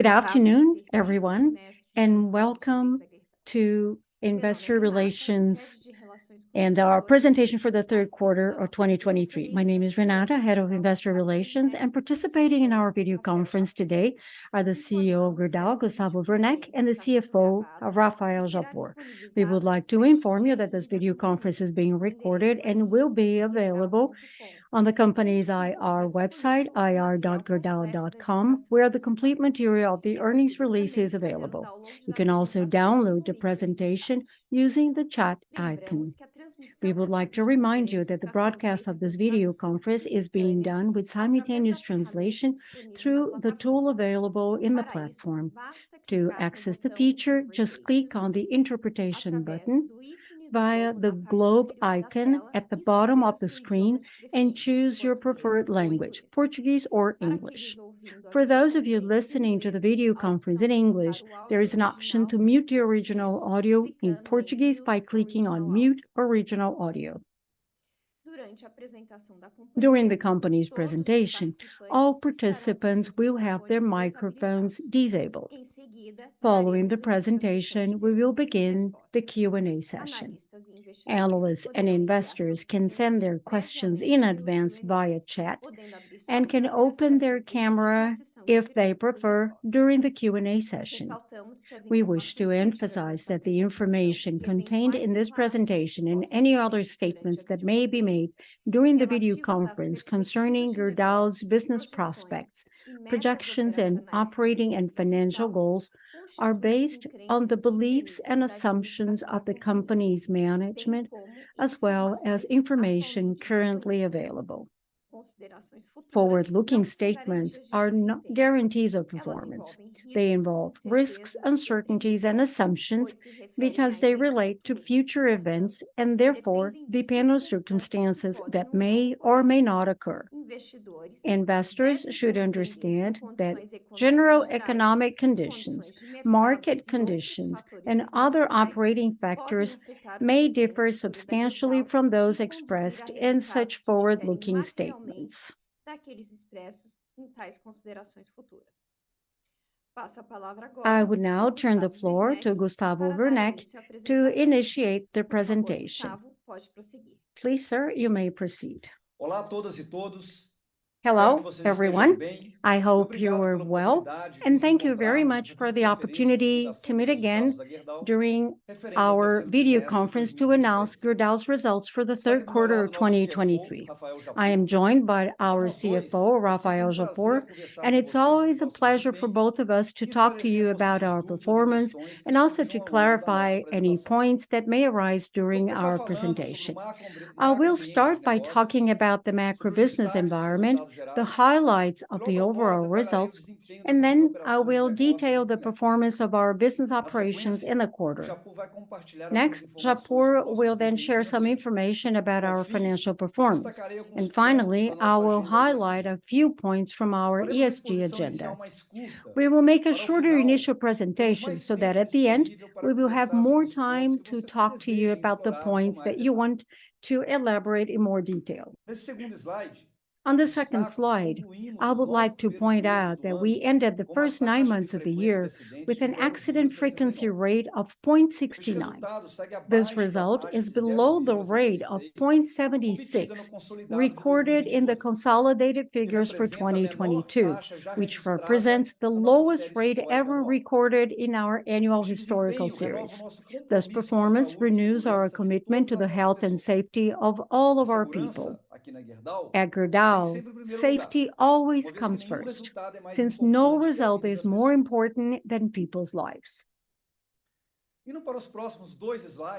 Good afternoon, everyone, and welcome to Investor Relations and our presentation for the third quarter of 2023. My name is Renata, Head of Investor Relations, and participating in our video conference today are the CEO of Gerdau, Gustavo Werneck, and the CFO, Rafael Japur. We would like to inform you that this video conference is being recorded and will be available on the company's IR website, ir.gerdau.com, where the complete material of the earnings release is available. You can also download the presentation using the chat icon. We would like to remind you that the broadcast of this video conference is being done with simultaneous translation through the tool available in the platform. To access the feature, just click on the interpretation button via the globe icon at the bottom of the screen, and choose your preferred language, Portuguese or English. For those of you listening to the video conference in English, there is an option to mute the original audio in Portuguese by clicking on Mute Original Audio. During the company's presentation, all participants will have their microphones disabled. Following the presentation, we will begin the Q&A session. Analysts and investors can send their questions in advance via chat, and can open their camera, if they prefer, during the Q&A session. We wish to emphasize that the information contained in this presentation and any other statements that may be made during the video conference concerning Gerdau's business prospects, projections, and operating and financial goals, are based on the beliefs and assumptions of the company's management, as well as information currently available. Forward-looking statements are not guarantees of performance. They involve risks, uncertainties, and assumptions because they relate to future events, and therefore, depend on circumstances that may or may not occur. Investors should understand that general economic conditions, market conditions, and other operating factors may differ substantially from those expressed in such forward-looking statements. I would now turn the floor to Gustavo Werneck to initiate the presentation. Please, sir, you may proceed. Hello, everyone. I hope you are well, and thank you very much for the opportunity to meet again during our video conference to announce Gerdau's results for the third quarter of 2023. I am joined by our CFO, Rafael Japur, and it's always a pleasure for both of us to talk to you about our performance, and also to clarify any points that may arise during our presentation. I will start by talking about the macro business environment, the highlights of the overall results, and then I will detail the performance of our business operations in the quarter. Next, Japur will then share some information about our financial performance. Finally, I will highlight a few points from our ESG agenda. We will make a shorter initial presentation, so that at the end, we will have more time to talk to you about the points that you want to elaborate in more detail. On the second slide, I would like to point out that we ended the first nine months of the year with an accident frequency rate of 0.69. This result is below the rate of 0.76, recorded in the consolidated figures for 2022, which represents the lowest rate ever recorded in our annual historical series. This performance renews our commitment to the health and safety of all of our people. At Gerdau, safety always comes first, since no result is more important than people's lives.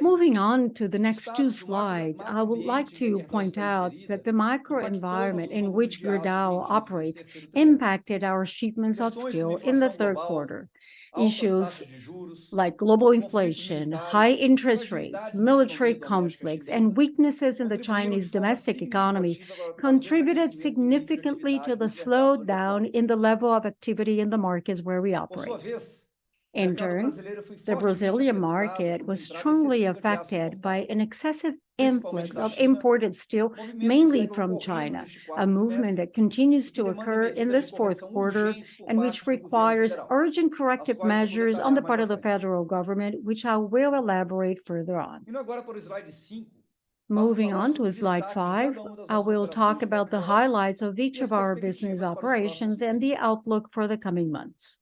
Moving on to the next two slides, I would like to point out that the macroenvironment in which Gerdau operates impacted our shipments of steel in the third quarter. Issues like global inflation, high interest rates, military conflicts, and weaknesses in the Chinese domestic economy contributed significantly to the slowdown in the level of activity in the markets where we operate. In turn, the Brazilian market was strongly affected by an excessive influx of imported steel, mainly from China, a movement that continues to occur in this fourth quarter, and which requires urgent corrective measures on the part of the federal government, which I will elaborate further on. Moving on to slide 5, I will talk about the highlights of each of our business operations and the outlook for the coming months.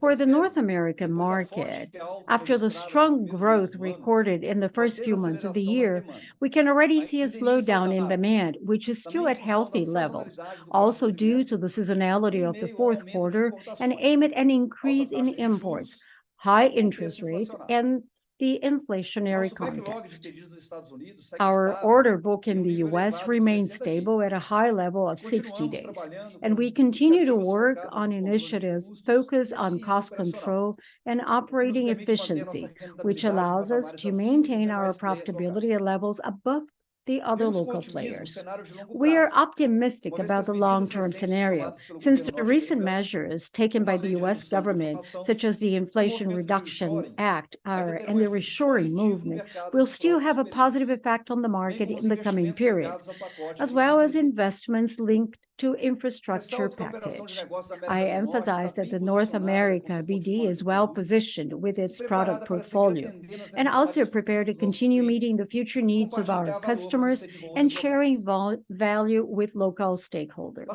For the North American market, after the strong growth recorded in the first few months of the year, we can already see a slowdown in demand, which is still at healthy levels, also due to the seasonality of the fourth quarter, and amid an increase in imports, high interest rates, and the inflationary context. Our order book in the U.S. remains stable at a high level of 60 days, and we continue to work on initiatives focused on cost control and operating efficiency, which allows us to maintain our profitability at levels above the other local players. We are optimistic about the long-term scenario, since the recent measures taken by the U.S. government, such as the Inflation Reduction Act, are... The reshoring movement will still have a positive effect on the market in the coming periods, as well as investments linked to infrastructure package. I emphasize that the North America BD is well-positioned with its product portfolio, and also prepared to continue meeting the future needs of our customers and sharing value with local stakeholders.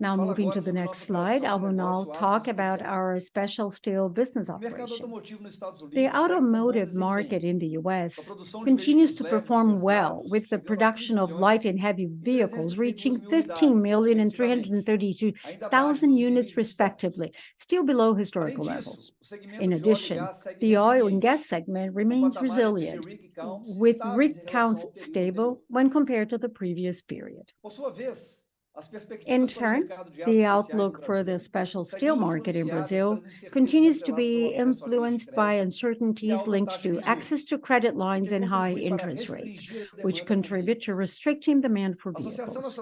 Now moving to the next slide, I will now talk about our special steel business operation. The automotive market in the U.S. continues to perform well, with the production of light and heavy vehicles reaching 15 million and 332,000 units respectively, still below historical levels. In addition, the oil and gas segment remains resilient, with rig counts stable when compared to the previous period. In turn, the outlook for the special steel market in Brazil continues to be influenced by uncertainties linked to access to credit lines and high interest rates, which contribute to restricting demand for vehicles.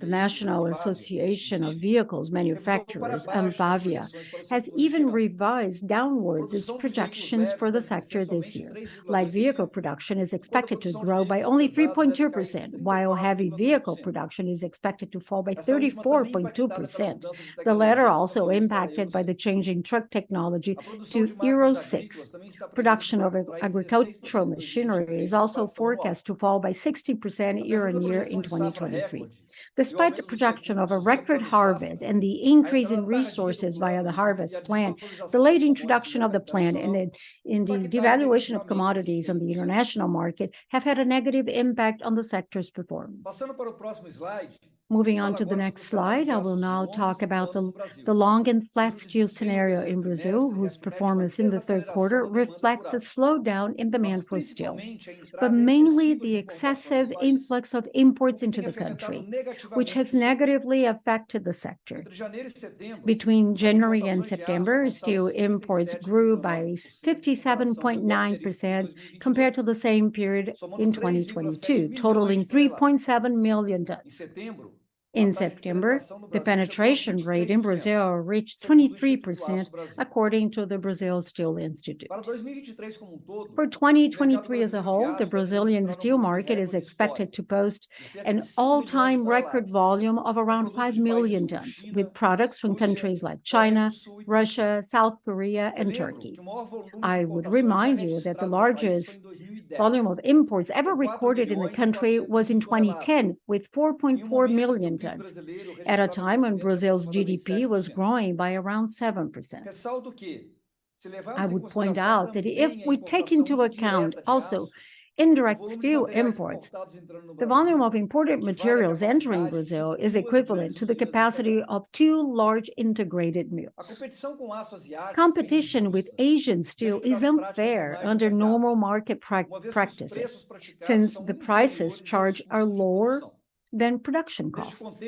The National Association of Vehicle Manufacturers, ANFAVEA, has even revised downwards its projections for the sector this year. Light vehicle production is expected to grow by only 3.2%, while heavy vehicle production is expected to fall by 34.2%. The latter also impacted by the changing truck technology to Euro 6. Production of agricultural machinery is also forecast to fall by 60% year-on-year in 2023. Despite the projection of a record harvest and the increase in resources via the Harvest Plan, the late introduction of the plan and the devaluation of commodities on the international market have had a negative impact on the sector's performance. Moving on to the next slide, I will now talk about the long and flat steel scenario in Brazil, whose performance in the third quarter reflects a slowdown in demand for steel, but mainly the excessive influx of imports into the country, which has negatively affected the sector. Between January and September, steel imports grew by 57.9% compared to the same period in 2022, totaling 3.7 million tons. In September, the penetration rate in Brazil reached 23%, according to the Brazil Steel Institute. For 2023 as a whole, the Brazilian steel market is expected to post an all-time record volume of around 5 million tons, with products from countries like China, Russia, South Korea, and Turkey. I would remind you that the largest volume of imports ever recorded in the country was in 2010, with 4.4 million tons, at a time when Brazil's GDP was growing by around 7%. I would point out that if we take into account also indirect steel imports, the volume of imported materials entering Brazil is equivalent to the capacity of two large integrated mills. Competition with Asian steel is unfair under normal market practices, since the prices charged are lower than production costs.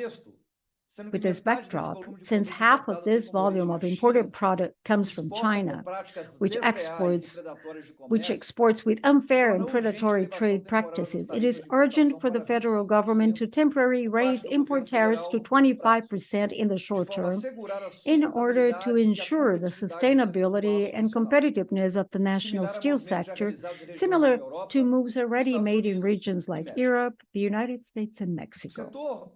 With this backdrop, since half of this volume of imported product comes from China, which exports with unfair and predatory trade practices, it is urgent for the federal government to temporarily raise import tariffs to 25% in the short term, in order to ensure the sustainability and competitiveness of the national steel sector, similar to moves already made in regions like Europe, the United States, and Mexico.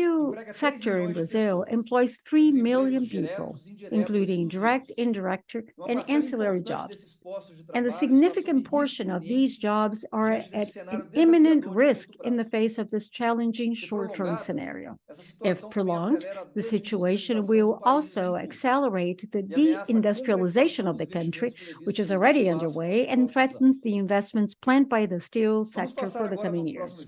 The steel sector in Brazil employs 3 million people, including direct, indirect, and ancillary jobs, and a significant portion of these jobs are at an imminent risk in the face of this challenging short-term scenario. If prolonged, the situation will also accelerate the de-industrialization of the country, which is already underway and threatens the investments planned by the steel sector for the coming years.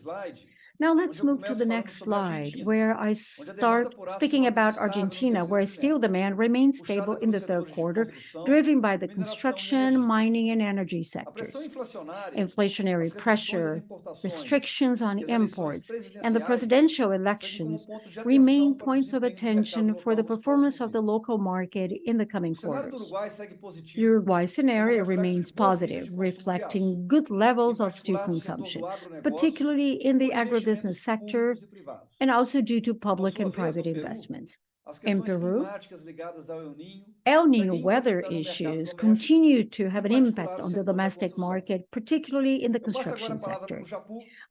Now, let's move to the next slide, where I start speaking about Argentina, where steel demand remains stable in the third quarter, driven by the construction, mining, and energy sectors. Inflationary pressure, restrictions on imports, and the presidential elections remain points of attention for the performance of the local market in the coming quarters. Uruguay scenario remains positive, reflecting good levels of steel consumption, particularly in the agribusiness sector, and also due to public and private investments. In Peru, El Niño weather issues continue to have an impact on the domestic market, particularly in the construction sector.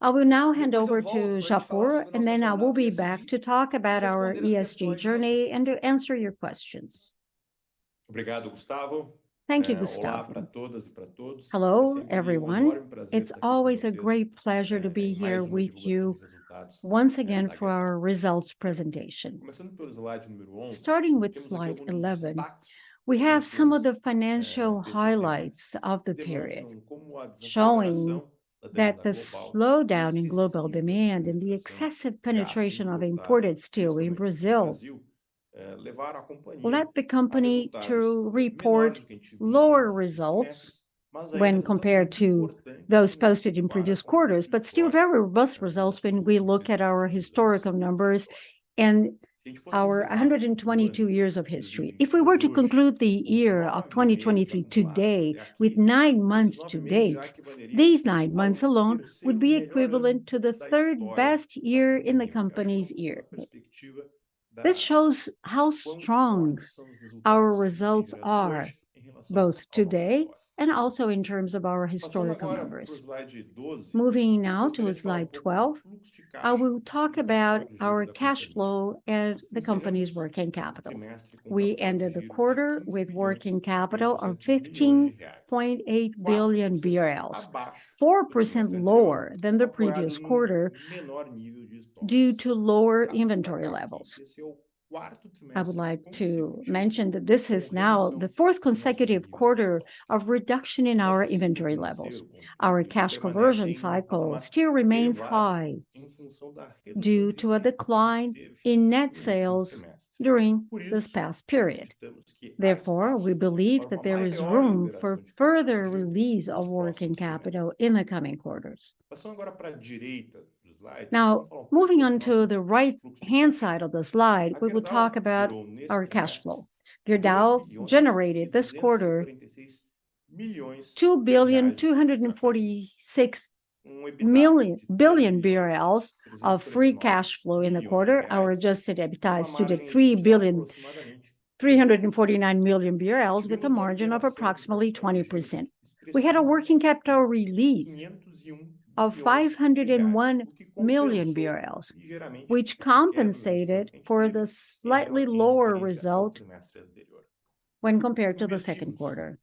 I will now hand over to Japur, and then I will be back to talk about our ESG journey and to answer your questions. Thank you, Gustavo. Hello, everyone. It's always a great pleasure to be here with you once again for our results presentation. Starting with slide 11, we have some of the financial highlights of the period, showing that the slowdown in global demand and the excessive penetration of imported steel in Brazil led the company to report lower results when compared to those posted in previous quarters, but still very robust results when we look at our historical numbers and our 122 years of history. If we were to conclude the year of 2023 today, with nine months to date, these nine months alone would be equivalent to the third-best year in the company's year. This shows how strong our results are, both today and also in terms of our historical numbers. Moving now to slide 12, I will talk about our cash flow and the company's working capital. We ended the quarter with working capital of 15.8 billion BRL, 4% lower than the previous quarter, due to lower inventory levels.... I would like to mention that this is now the fourth consecutive quarter of reduction in our inventory levels. Our cash conversion cycle still remains high due to a decline in net sales during this past period. Therefore, we believe that there is room for further release of working capital in the coming quarters. Now, moving on to the right-hand side of the slide, we will talk about our cash flow. Gerdau generated this quarter 2.246 billion of free cash flow in the quarter. Our Adjusted EBITDA is to the 3.349 billion, with a margin of approximately 20%. We had a working capital release of 501 million BRL, which compensated for the slightly lower result when compared to the second quarter.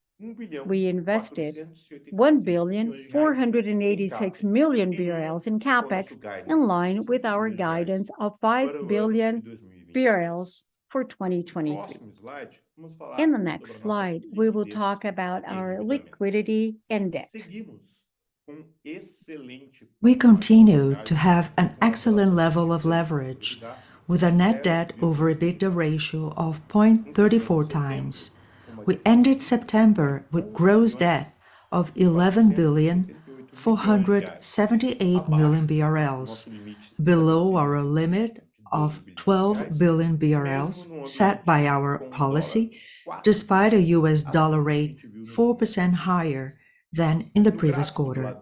We invested 1,486 million BRL in CapEx, in line with our guidance of 5 billion BRL for 2023. In the next slide, we will talk about our liquidity and debt. We continue to have an excellent level of leverage, with a net debt over EBITDA ratio of 0.34 times. We ended September with gross debt of 11,478 million BRL, below our limit of 12 billion BRL set by our policy, despite a US dollar rate 4% higher than in the previous quarter.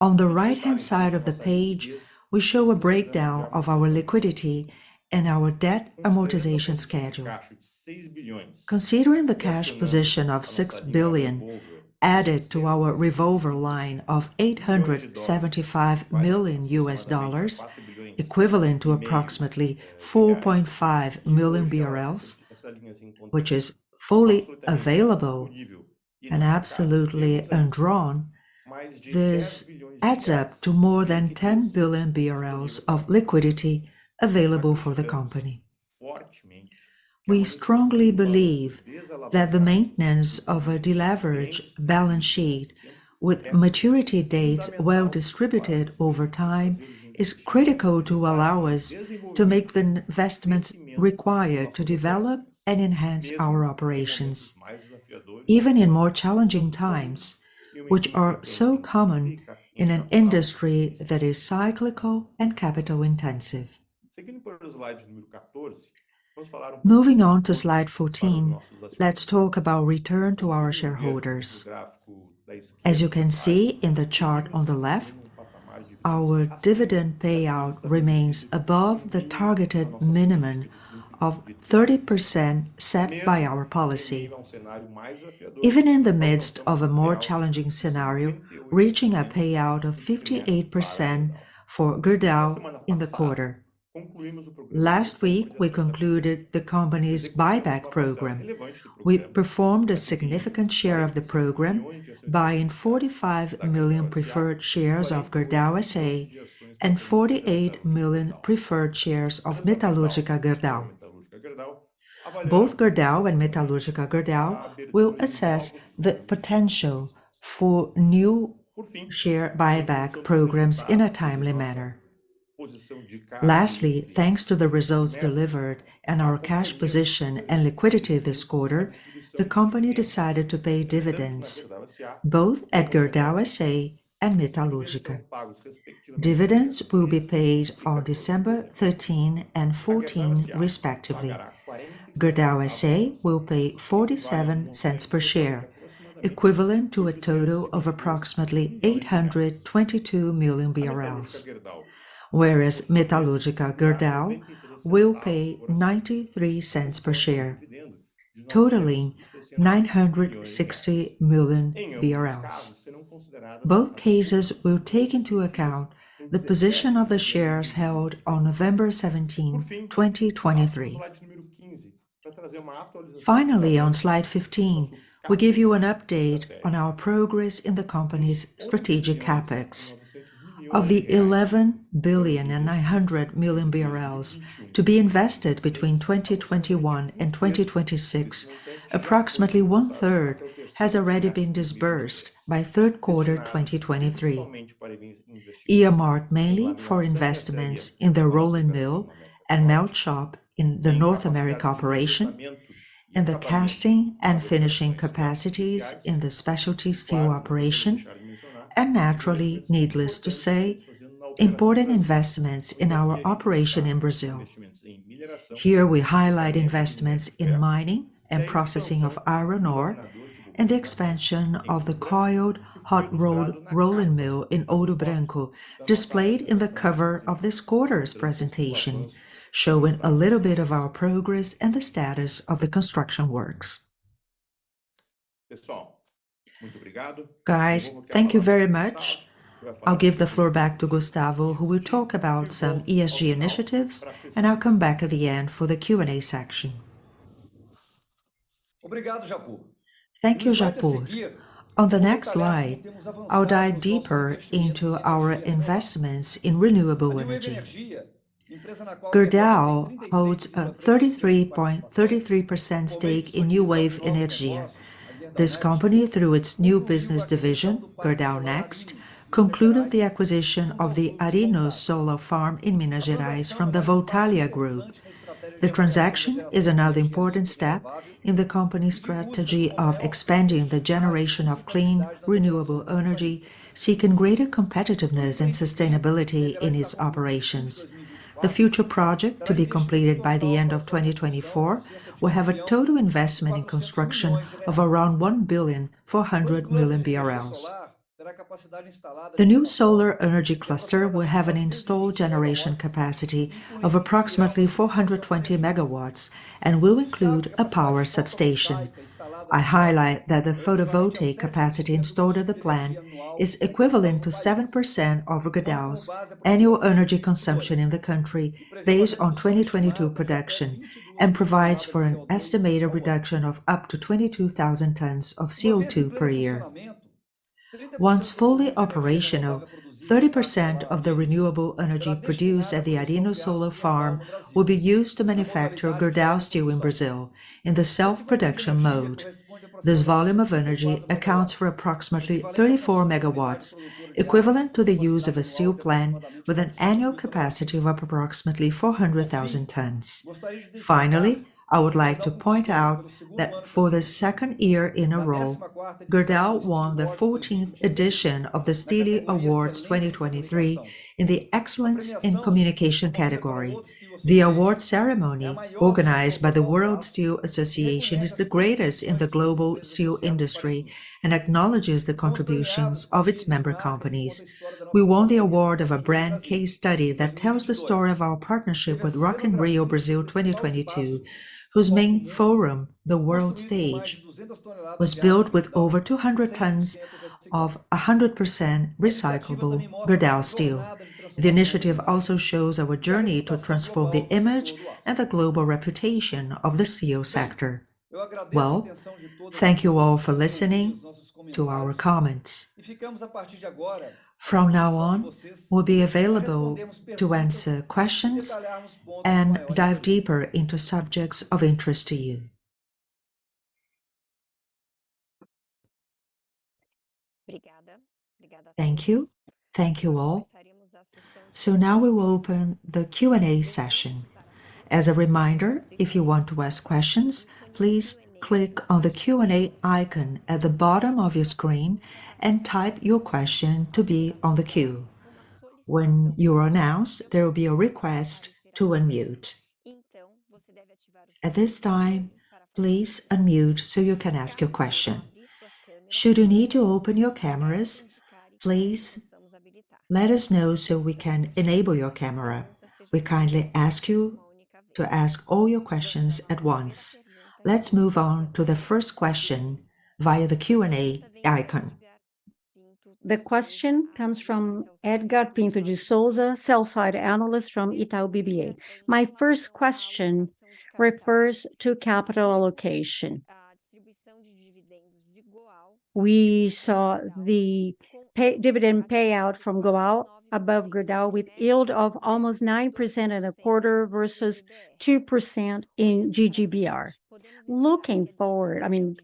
On the right-hand side of the page, we show a breakdown of our liquidity and our debt amortization schedule. Considering the cash position of 6 billion, added to our revolver line of $875 million, equivalent to approximately 4.5 million BRL, which is fully available and absolutely undrawn, this adds up to more than 10 billion BRL of liquidity available for the company. We strongly believe that the maintenance of a deleverage balance sheet with maturity dates well-distributed over time, is critical to allow us to make the investments required to develop and enhance our operations, even in more challenging times, which are so common in an industry that is cyclical and capital intensive. Moving on to slide 14, let's talk about return to our shareholders. As you can see in the chart on the left, our dividend payout remains above the targeted minimum of 30% set by our policy. Even in the midst of a more challenging scenario, reaching a payout of 58% for Gerdau in the quarter. Last week, we concluded the company's buyback program. We performed a significant share of the program, buying 45 million preferred shares of Gerdau S.A. and 48 million preferred shares of Metalúrgica Gerdau. Both Gerdau and Metalúrgica Gerdau will assess the potential for new share buyback programs in a timely manner. Lastly, thanks to the results delivered and our cash position and liquidity this quarter, the company decided to pay dividends, both at Gerdau S.A. and Metalúrgica. Dividends will be paid on December 13 and 14, respectively. Gerdau S.A. will pay 0.47 per share, equivalent to a total of approximately 822 million BRL, whereas Metalúrgica Gerdau will pay 0.93 per share, totaling 960 million BRL. Both cases will take into account the position of the shares held on November 17, 2023. Finally, on slide 15, we give you an update on our progress in the company's strategic CapEx. Of the 11.9 billion to be invested between 2021 and 2026, approximately one-third has already been disbursed by third quarter 2023, earmarked mainly for investments in the rolling mill and melt shop in the North America operation, in the casting and finishing capacities in the specialty steel operation, and naturally, needless to say, important investments in our operation in Brazil. Here, we highlight investments in mining and processing of iron ore, and the expansion of the coiled hot rolled rolling mill in Ouro Branco, displayed in the cover of this quarter's presentation, showing a little bit of our progress and the status of the construction works. Guys, thank you very much. I'll give the floor back to Gustavo, who will talk about some ESG initiatives, and I'll come back at the end for the Q&A section. Thank you, Japur. On the next slide, I'll dive deeper into our investments in renewable energy. Gerdau holds a 33.33% stake in Newave Energia. This company, through its new business division, Gerdau Next, concluded the acquisition of the Arinos Solar Farm in Minas Gerais from the Voltalia Group. The transaction is another important step in the company's strategy of expanding the generation of clean, renewable energy, seeking greater competitiveness and sustainability in its operations. The future project, to be completed by the end of 2024, will have a total investment in construction of around 1.4 billion. The new solar energy cluster will have an installed generation capacity of approximately 420 MW, and will include a power substation. I highlight that the photovoltaic capacity installed at the plant is equivalent to 7% of Gerdau's annual energy consumption in the country, based on 2022 production, and provides for an estimated reduction of up to 22,000 tons of CO2 per year. Once fully operational, 30% of the renewable energy produced at the Arinos Solar Farm will be used to manufacture Gerdau Steel in Brazil in the self-production mode. This volume of energy accounts for approximately 34 MW, equivalent to the use of a steel plant with an annual capacity of approximately 400,000 tons. Finally, I would like to point out that for the second year in a row, Gerdau won the fourteenth edition of the Steelie Awards 2023 in the Excellence in Communication category. The award ceremony, organized by the World Steel Association, is the greatest in the global steel industry, and acknowledges the contributions of its member companies. We won the award of a brand case study that tells the story of our partnership with Rock in Rio Brazil 2022, whose main forum, the world stage, was built with over 200 tons of 100% recyclable Gerdau steel. The initiative also shows our journey to transform the image and the global reputation of the steel sector. Well, thank you all for listening to our comments. From now on, we'll be available to answer questions and dive deeper into subjects of interest to you. Thank you. Thank you, all. Now we will open the Q&A session. As a reminder, if you want to ask questions, please click on the Q&A icon at the bottom of your screen and type your question to be on the queue. When you are announced, there will be a request to unmute. At this time, please unmute so you can ask your question. Should you need to open your cameras, please let us know so we can enable your camera. We kindly ask you to ask all your questions at once. Let's move on to the first question via the Q&A icon. The question comes from Edgard Pinto de Souza, sell-side analyst from Itaú BBA. My first question refers to capital allocation. We saw the pay, dividend payout from GOAU above Gerdau, with yield of almost 9% in a quarter versus 2% in GGBR. Looking forward... I mean,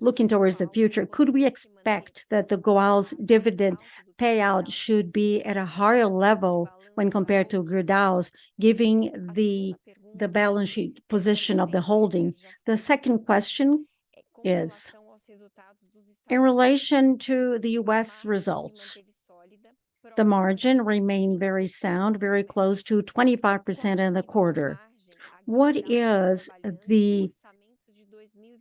looking towards the future, could we expect that the Gerdau's dividend payout should be at a higher level when compared to Gerdau's, giving the, the balance sheet position of the holding? The second question is: in relation to the US results, the margin remained very sound, very close to 25% in the quarter. What is the,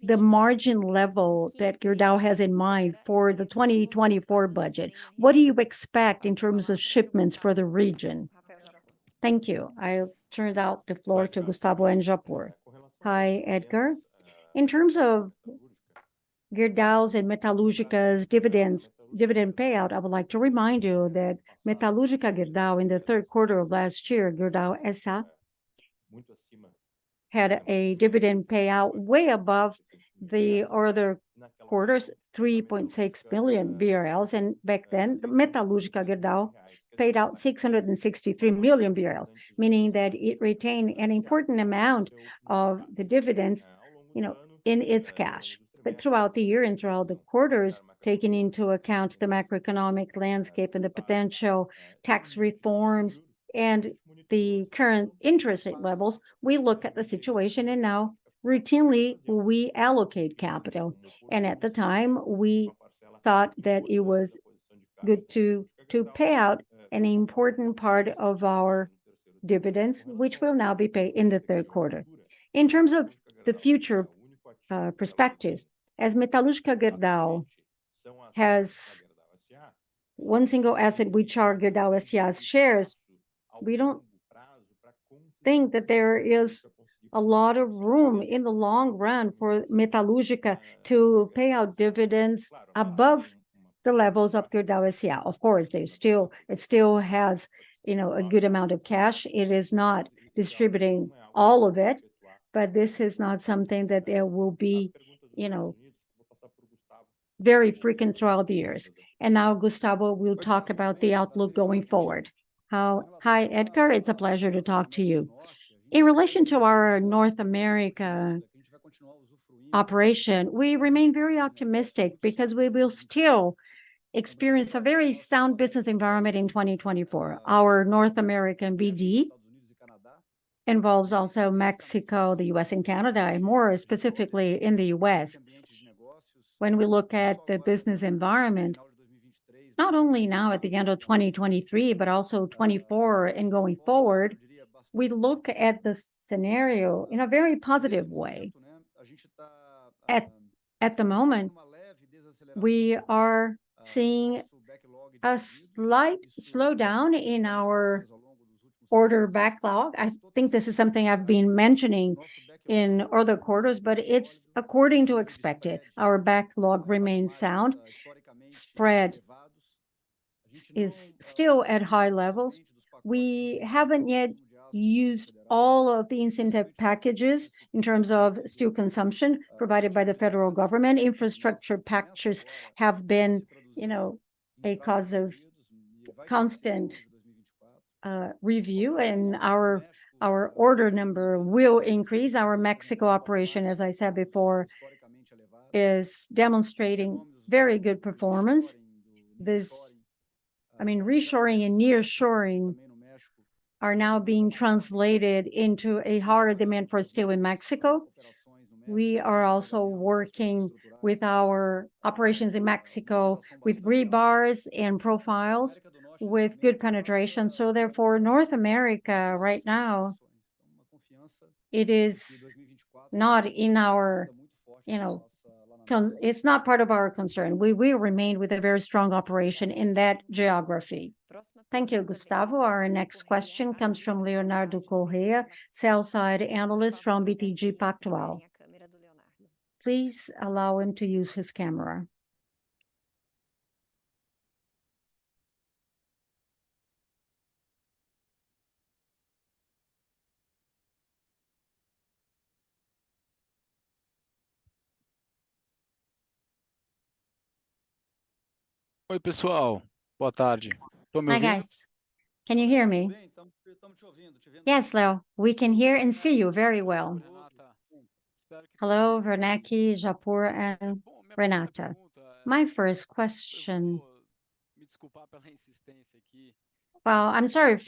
the margin level that Gerdau has in mind for the 2024 budget? What do you expect in terms of shipments for the region? Thank you. I turn now the floor to Gustavo and Japur. Hi, Edgar. In terms of Gerdau's and Metalúrgica's dividends, dividend payout, I would like to remind you that Metalúrgica Gerdau in the third quarter of last year, Gerdau S.A., had a dividend payout way above the other quarters, 3.6 billion BRL. And back then, Metalúrgica Gerdau paid out 663 million BRL, meaning that it retained an important amount of the dividends, you know, in its cash. But throughout the year and throughout the quarters, taking into account the macroeconomic landscape and the potential tax reforms and the current interest rate levels, we look at the situation, and now routinely, we allocate capital. And at the time, we thought that it was good to pay out an important part of our dividends, which will now be paid in the third quarter. In terms of the future, perspectives, as Metalúrgica Gerdau has one single asset, which are Gerdau's shares, we don't think that there is a lot of room in the long run for Metalúrgica to pay out dividends above the levels of Gerdau is, yeah, of course, they still, it still has, you know, a good amount of cash. It is not distributing all of it, but this is not something that there will be, you know, very frequent throughout the years. Now Gustavo will talk about the outlook going forward. Hi, Edgar, it's a pleasure to talk to you. In relation to our North America operation, we remain very optimistic because we will still experience a very sound business environment in 2024. Our North American BD involves also Mexico, the U.S., and Canada, and more specifically in the U.S. When we look at the business environment, not only now at the end of 2023, but also 2024 and going forward, we look at the scenario in a very positive way. At the moment, we are seeing a slight slowdown in our order backlog. I think this is something I've been mentioning in other quarters, but it's according to expected. Our backlog remains sound. Spread is still at high levels. We haven't yet used all of the incentive packages in terms of steel consumption provided by the federal government. Infrastructure packages have been, you know, a cause of constant review, and our order number will increase. Our Mexico operation, as I said before, is demonstrating very good performance. This, I mean, reshoring and nearshoring are now being translated into a harder demand for steel in Mexico. We are also working with our operations in Mexico with rebars and profiles, with good penetration. So therefore, North America right now, it is not in our, you know, concern—it's not part of our concern. We remain with a very strong operation in that geography. Thank you, Gustavo. Our next question comes from Leonardo Correa, sell-side analyst from BTG Pactual. Please allow him to use his camera. Hi, guys. Can you hear me? Yes, Leo, we can hear and see you very well. Hello, Werneck, Japur, and Renata. My first question... Well, I'm sorry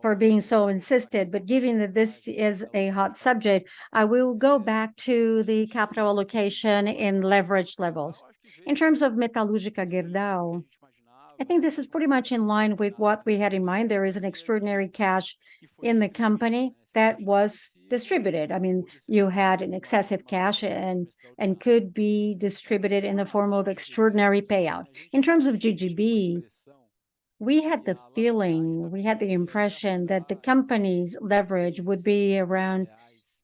for being so insistent, but given that this is a hot subject, I will go back to the capital allocation and leverage levels. In terms of Metalúrgica Gerdau, I think this is pretty much in line with what we had in mind. There is an extraordinary cash in the company that was distributed. I mean, you had an excessive cash and could be distributed in the form of extraordinary payout. In terms of GGB, we had the feeling, we had the impression that the company's leverage would be around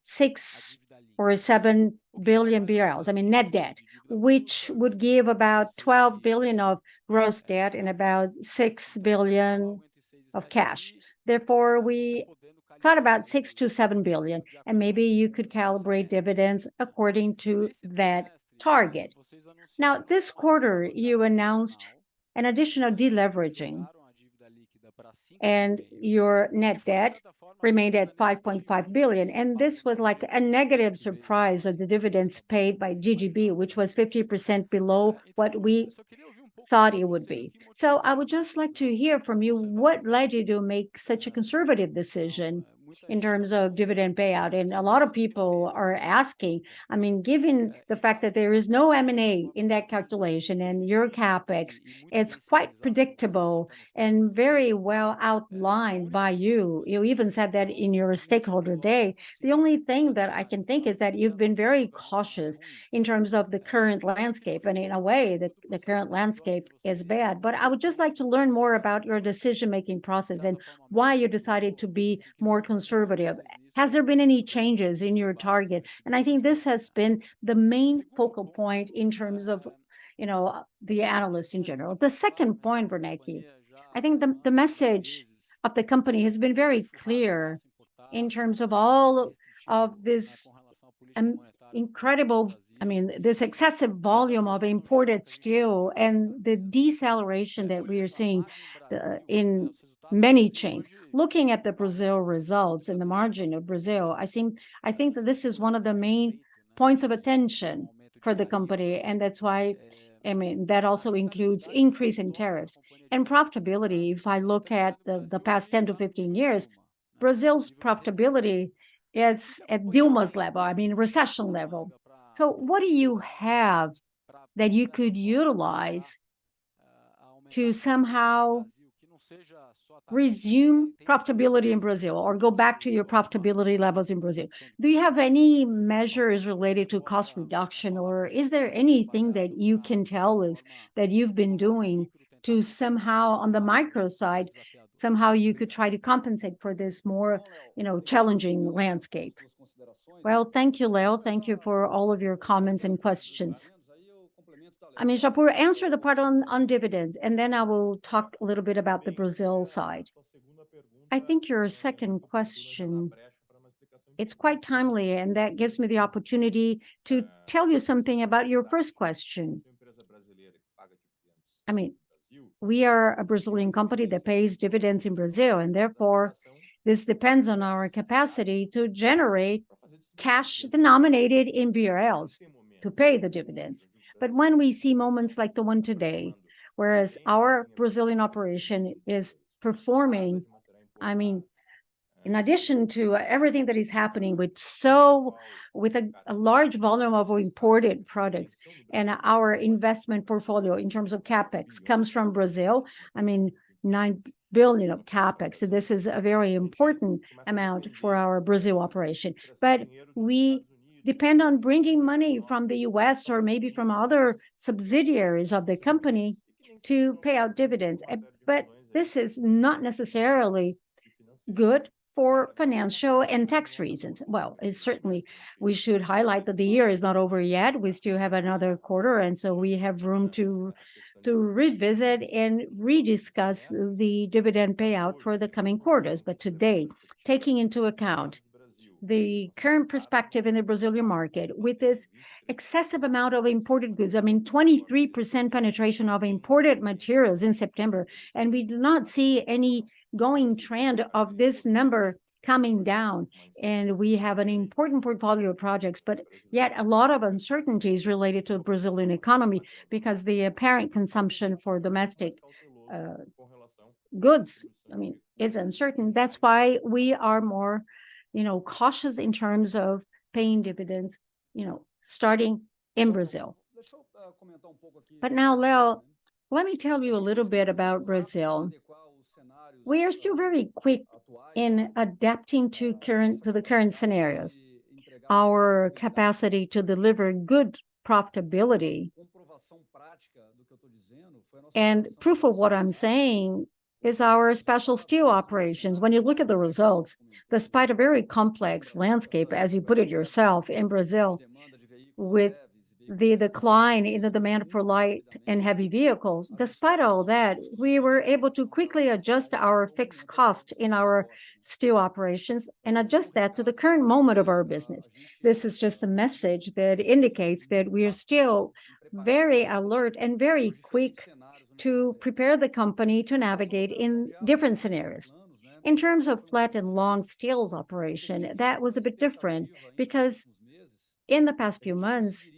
6 billion or 7 billion BRL reals, I mean, net debt, which would give about 12 billion of gross debt and about 6 billion of cash. Therefore, we thought about 6 billion-7 billion, and maybe you could calibrate dividends according to that target. Now, this quarter, you announced an additional deleveraging, and your net debt remained at 5.5 billion, and this was like a negative surprise of the dividends paid by GGB, which was 50% below what we thought it would be. So I would just like to hear from you, what led you to make such a conservative decision in terms of dividend payout? And a lot of people are asking, I mean, given the fact that there is no M&A in that calculation, and your CapEx, it's quite predictable and very well outlined by you. You even said that in your stakeholder day. The only thing that I can think is that you've been very cautious in terms of the current landscape, and in a way, the current landscape is bad. But I would just like to learn more about your decision-making process and why you decided to be more conservative. Has there been any changes in your target? And I think this has been the main focal point in terms of, you know, the analysts in general. The second point, Werneck, I think the, the message of the company has been very clear in terms of all of this, incredible, I mean, this excessive volume of imported steel and the deceleration that we are seeing in many chains. Looking at the Brazil results and the margin of Brazil, I think, I think that this is one of the main points of attention for the company, and that's why, I mean, that also includes increase in tariffs. And profitability, if I look at the, the past 10-15 years, Brazil's profitability is at Dilma's level, I mean, recession level. So what do you have that you could utilize to somehow resume profitability in Brazil or go back to your profitability levels in Brazil? Do you have any measures related to cost reduction, or is there anything that you can tell us that you've been doing to somehow, on the micro side, somehow you could try to compensate for this more, you know, challenging landscape? Well, thank you, Leo. Thank you for all of your comments and questions. I mean, Japur, answer the part on dividends, and then I will talk a little bit about the Brazil side. I think your second question, it's quite timely, and that gives me the opportunity to tell you something about your first question. I mean, we are a Brazilian company that pays dividends in Brazil, and therefore, this depends on our capacity to generate cash denominated in Brazilian reais to pay the dividends. But when we see moments like the one today, whereas our Brazilian operation is performing, I mean, in addition to everything that is happening with a large volume of imported products, and our investment portfolio in terms of CapEx comes from Brazil, I mean, 9 billion of CapEx, so this is a very important amount for our Brazil operation. But we depend on bringing money from the U.S. or maybe from other subsidiaries of the company to pay out dividends. But this is not necessarily good for financial and tax reasons. Well, it's certainly we should highlight that the year is not over yet. We still have another quarter, and so we have room to revisit and re-discuss the dividend payout for the coming quarters. Today, taking into account the current perspective in the Brazilian market, with this excessive amount of imported goods, I mean, 23% penetration of imported materials in September, and we do not see any going trend of this number coming down, and we have an important portfolio of projects, but yet a lot of uncertainties related to Brazilian economy because the apparent consumption for domestic, goods, I mean, is uncertain. That's why we are more, you know, cautious in terms of paying dividends, you know, starting in Brazil. Now, Leo, let me tell you a little bit about Brazil. We are still very quick in adapting to current, to the current scenarios. Our capacity to deliver good profitability. Proof of what I'm saying is our special steel operations. When you look at the results, despite a very complex landscape, as you put it yourself, in Brazil, with the decline in the demand for light and heavy vehicles, despite all that, we were able to quickly adjust our fixed cost in our steel operations and adjust that to the current moment of our business. This is just a message that indicates that we are still very alert and very quick to prepare the company to navigate in different scenarios. In terms of flat and long steels operation, that was a bit different because in the past few months,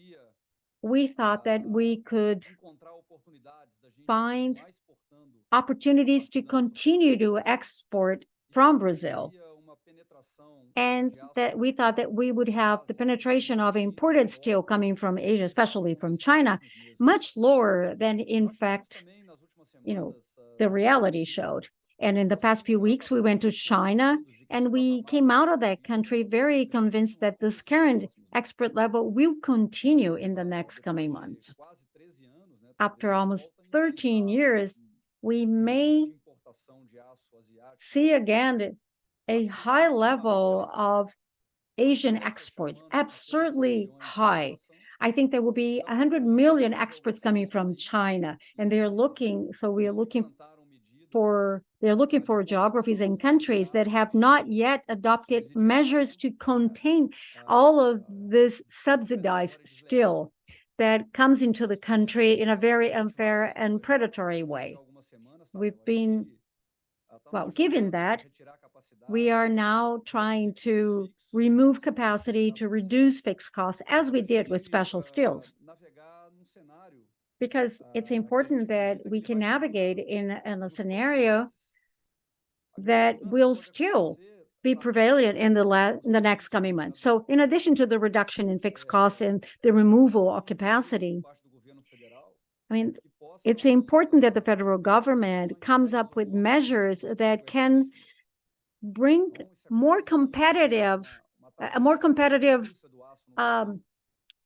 we thought that we could find opportunities to continue to export from Brazil, and that we thought that we would have the penetration of imported steel coming from Asia, especially from China, much lower than in fact, you know, the reality showed. In the past few weeks, we went to China, and we came out of that country very convinced that this current export level will continue in the next coming months. After almost 13 years, we may see again a high level of Asian exports, absurdly high. I think there will be 100 million exports coming from China, and they are looking, so we are looking for... They're looking for geographies in countries that have not yet adopted measures to contain all of this subsidized steel that comes into the country in a very unfair and predatory way. We've been... Well, given that, we are now trying to remove capacity to reduce fixed costs, as we did with special steels. Because it's important that we can navigate in a scenario that will still be prevalent in the next coming months. So in addition to the reduction in fixed costs and the removal of capacity, I mean, it's important that the federal government comes up with measures that can bring more competitive, a more competitive,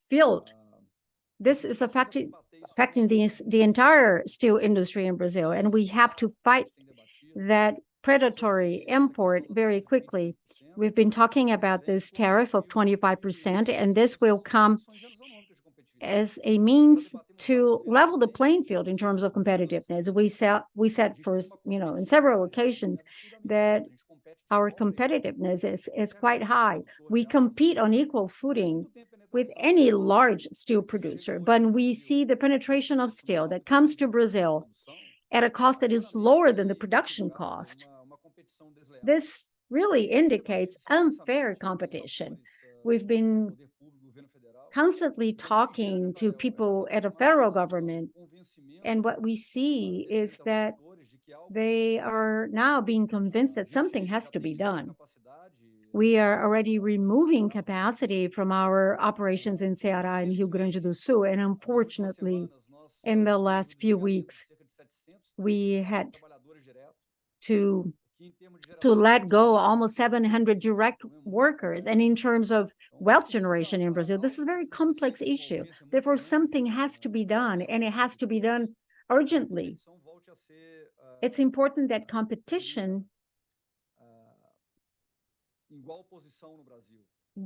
field. This is affecting the entire steel industry in Brazil, and we have to fight that predatory import very quickly. We've been talking about this tariff of 25%, and this will come as a means to level the playing field in terms of competitiveness. We said first, you know, in several occasions, that our competitiveness is quite high. We compete on equal footing with any large steel producer, but we see the penetration of steel that comes to Brazil at a cost that is lower than the production cost. This really indicates unfair competition. We've been constantly talking to people at the federal government, and what we see is that they are now being convinced that something has to be done. We are already removing capacity from our operations in Ceará and Rio Grande do Sul, and unfortunately, in the last few weeks, we had to let go almost 700 direct workers. In terms of wealth generation in Brazil, this is a very complex issue. Therefore, something has to be done, and it has to be done urgently. It's important that competition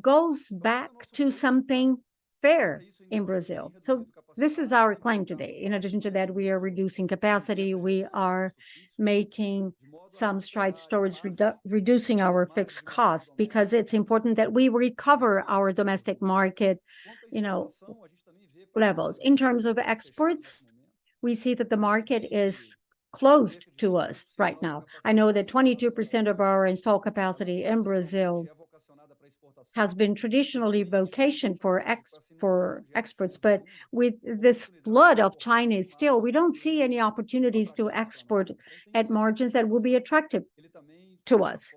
goes back to something fair in Brazil. So this is our claim today. In addition to that, we are reducing capacity, we are making some strides towards reducing our fixed costs, because it's important that we recover our domestic market, you know, levels. In terms of exports, we see that the market is closed to us right now. I know that 22% of our installed capacity in Brazil has been traditionally vocation for exports, but with this flood of Chinese steel, we don't see any opportunities to export at margins that will be attractive to us.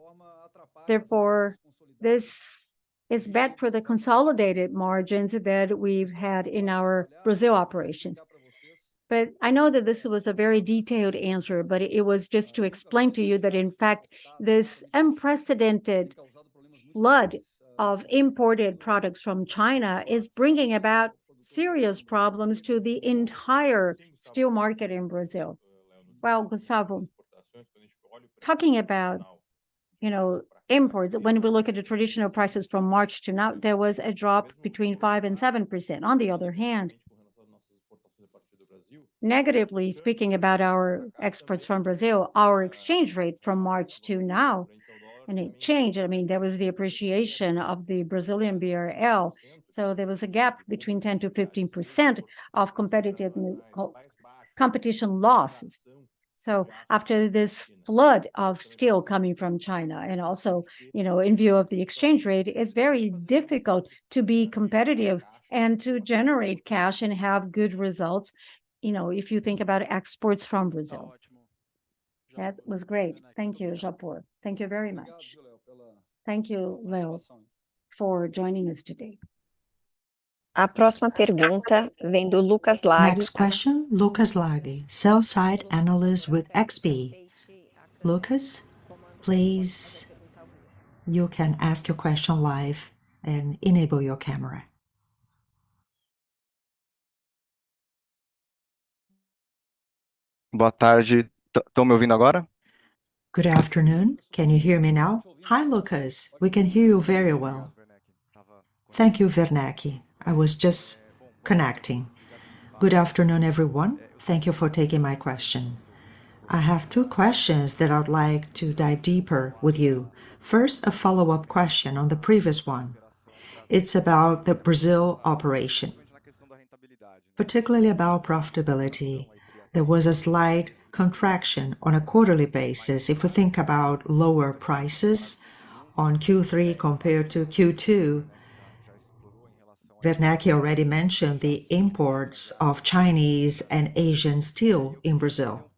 Therefore, this is bad for the consolidated margins that we've had in our Brazil operations. But I know that this was a very detailed answer, but it was just to explain to you that, in fact, this unprecedented flood of imported products from China is bringing about serious problems to the entire steel market in Brazil. Well, Gustavo, talking about, you know, imports, when we look at the traditional prices from March to now, there was a drop between 5%-7%. On the other hand, negatively speaking about our exports from Brazil, our exchange rate from March to now, and it changed, I mean, there was the appreciation of the Brazilian BRL. So there was a gap between 10%-15% of competitive competition losses. So after this flood of steel coming from China, and also, you know, in view of the exchange rate, it's very difficult to be competitive and to generate cash and have good results, you know, if you think about exports from Brazil. That was great. Thank you, Japur. Thank you very much. Thank you, Leo, for joining us today. Next question, Lucas Larghi, sell-side analyst with XP. Lucas, please, you can ask your question live and enable your camera. Good afternoon. Can you hear me now? Hi, Lucas. We can hear you very well. Thank you, Werneck. I was just connecting. Good afternoon, everyone. Thank you for taking my question. I have two questions that I'd like to dive deeper with you. First, a follow-up question on the previous one. It's about the Brazil operation, particularly about profitability. There was a slight contraction on a quarterly basis. If we think about lower prices on Q3 compared to Q2, Werneck already mentioned the imports of Chinese and Asian steel in Brazil.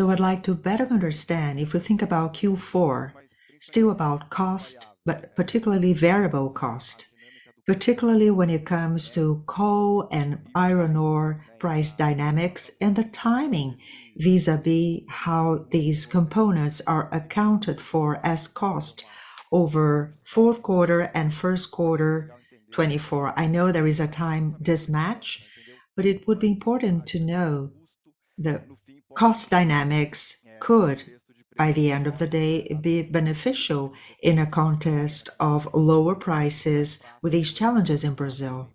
I'd like to better understand, if we think about Q4, still about cost, but particularly variable cost, particularly when it comes to coal and iron ore price dynamics, and the timing vis-à-vis how these components are accounted for as cost over fourth quarter and first quarter 2024. I know there is a time mismatch, but it would be important to know the cost dynamics could, by the end of the day, be beneficial in a context of lower prices with these challenges in Brazil.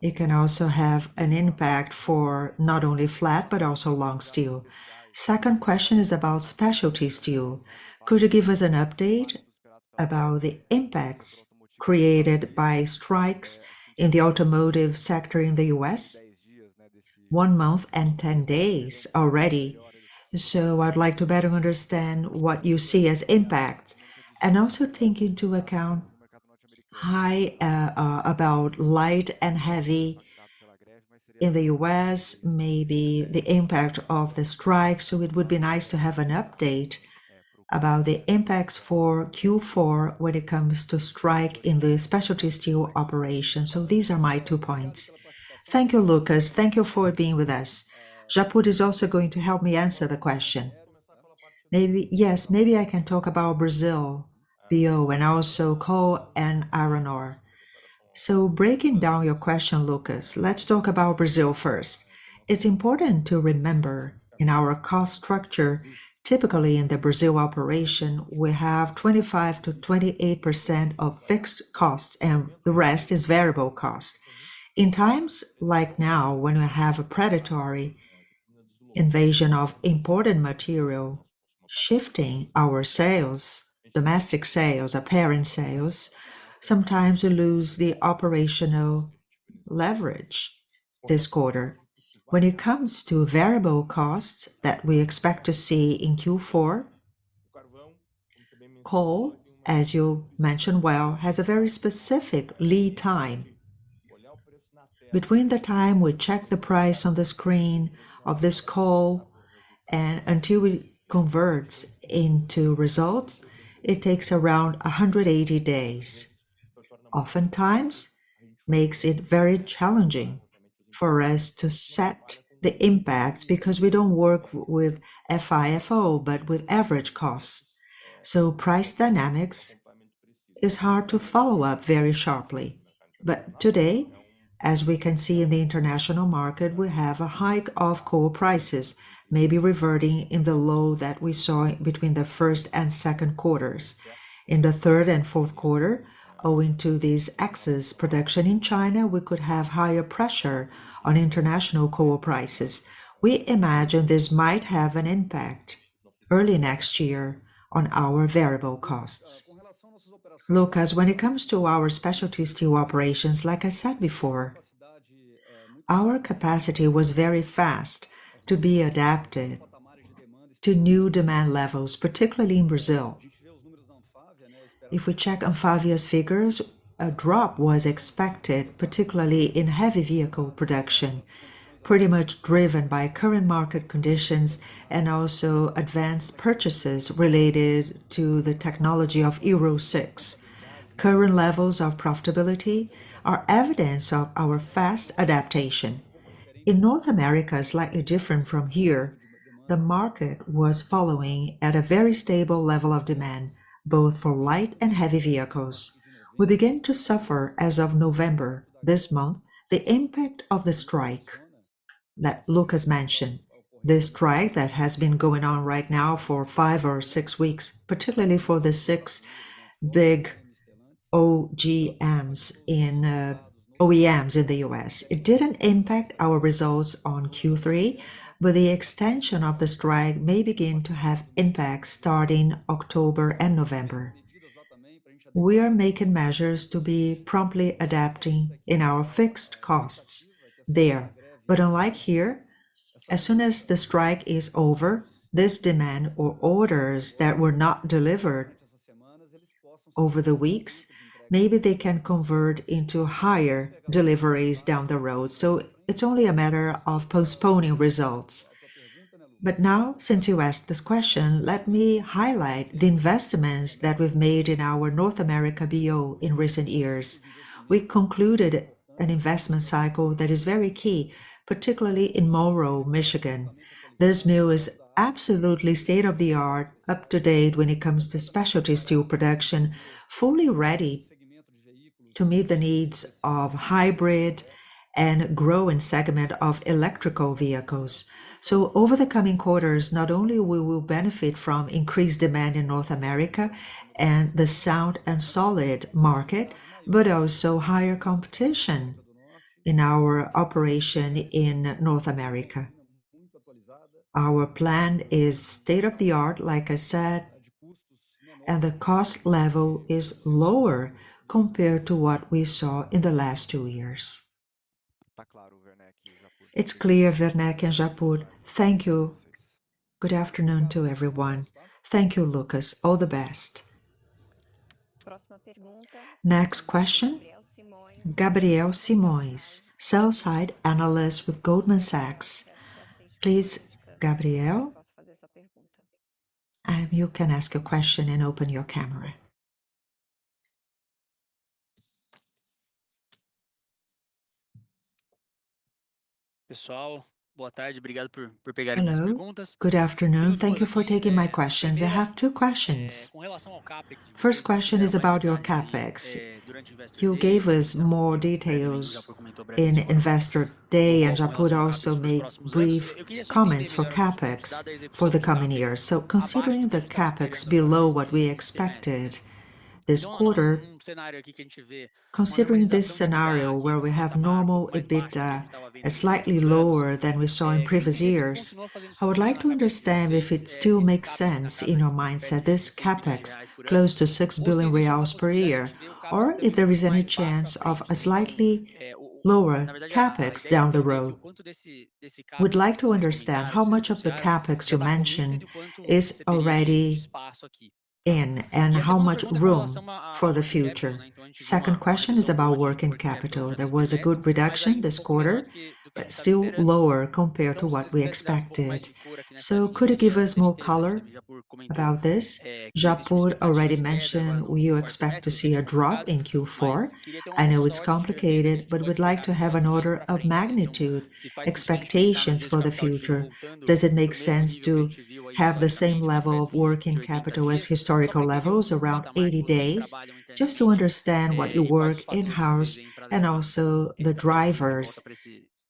It can also have an impact for not only flat, but also long steel. Second question is about specialty steel. Could you give us an update about the impacts created by strikes in the automotive sector in the U.S.? One month and 10 days already. So I'd like to better understand what you see as impacts, and also take into account high about light and heavy in the US, maybe the impact of the strike. So it would be nice to have an update about the impacts for Q4 when it comes to strike in the specialty steel operation. So these are my two points. Thank you, Lucas. Thank you for being with us. Japur is also going to help me answer the question. Maybe... Yes, maybe I can talk about Brazil BD, and also coal and iron ore. So breaking down your question, Lucas, let's talk about Brazil first. It's important to remember, in our cost structure, typically in the Brazil operation, we have 25%-28% of fixed costs, and the rest is variable cost. In times like now, when we have a predatory invasion of imported material, shifting our sales, domestic sales, apparent sales, sometimes we lose the operational leverage this quarter. When it comes to variable costs that we expect to see in Q4, coal, as you mentioned well, has a very specific lead time. Between the time we check the price on the screen of this coal and until it converts into results, it takes around 180 days. Oftentimes, makes it very challenging for us to set the impacts, because we don't work with FIFO, but with average costs. So price dynamics. It's hard to follow up very sharply. But today, as we can see in the international market, we have a hike of coal prices, maybe reverting in the low that we saw between the first and second quarters. In the third and fourth quarter, owing to this excess production in China, we could have higher pressure on international coal prices. We imagine this might have an impact early next year on our variable costs. Lucas, when it comes to our specialty steel operations, like I said before, our capacity was very fast to be adapted to new demand levels, particularly in Brazil. If we check on previous figures, a drop was expected, particularly in heavy vehicle production, pretty much driven by current market conditions and also advanced purchases related to the technology of Euro 6. Current levels of profitability are evidence of our fast adaptation. In North America, slightly different from here, the market was following at a very stable level of demand, both for light and heavy vehicles. We began to suffer as of November, this month, the impact of the strike that Lucas mentioned. The strike that has been going on right now for five or six weeks, particularly for the six big OEMs in the U.S. It didn't impact our results on Q3, but the extension of the strike may begin to have impacts starting October and November. We are making measures to be promptly adapting in our fixed costs there. But unlike here, as soon as the strike is over, this demand or orders that were not delivered over the weeks, maybe they can convert into higher deliveries down the road. So it's only a matter of postponing results. But now, since you asked this question, let me highlight the investments that we've made in our North America BO in recent years. We concluded an investment cycle that is very key, particularly in Monroe, Michigan. This mill is absolutely state-of-the-art, up-to-date when it comes to specialty steel production, fully ready to meet the needs of hybrid and growing segment of electric vehicles. So over the coming quarters, not only we will benefit from increased demand in North America and the sound and solid market, but also higher competition in our operation in North America. Our plan is state-of-the-art, like I said, and the cost level is lower compared to what we saw in the last two years. It's clear, Werneck and Japur. Thank you. Good afternoon to everyone. 'Thank you, Lucas. All the best. Next question, Gabriel Simoes, sell-side analyst with Goldman Sachs. Please, Gabriel, you can ask your question and open your camera. Hello, good afternoon. Thank you for taking my questions. I have two questions. First question is about your CapEx. You gave us more details in Investor Day, and Japur also made brief comments for CapEx for the coming years. So considering the CapEx below what we expected this quarter, considering this scenario where we have normal EBITDA, a slightly lower than we saw in previous years, I would like to understand if it still makes sense in your mindset, this CapEx, close to 6 billion reais per year, or if there is any chance of a slightly lower CapEx down the road. Would like to understand how much of the CapEx you mentioned is already in, and how much room for the future. Second question is about working capital. There was a good reduction this quarter, but still lower compared to what we expected. So could you give us more color about this? Japur already mentioned, we expect to see a drop in Q4. I know it's complicated, but we'd like to have an order of magnitude, expectations for the future. Does it make sense to have the same level of working capital as historical levels, around 80 days? Just to understand what you work in-house and also the drivers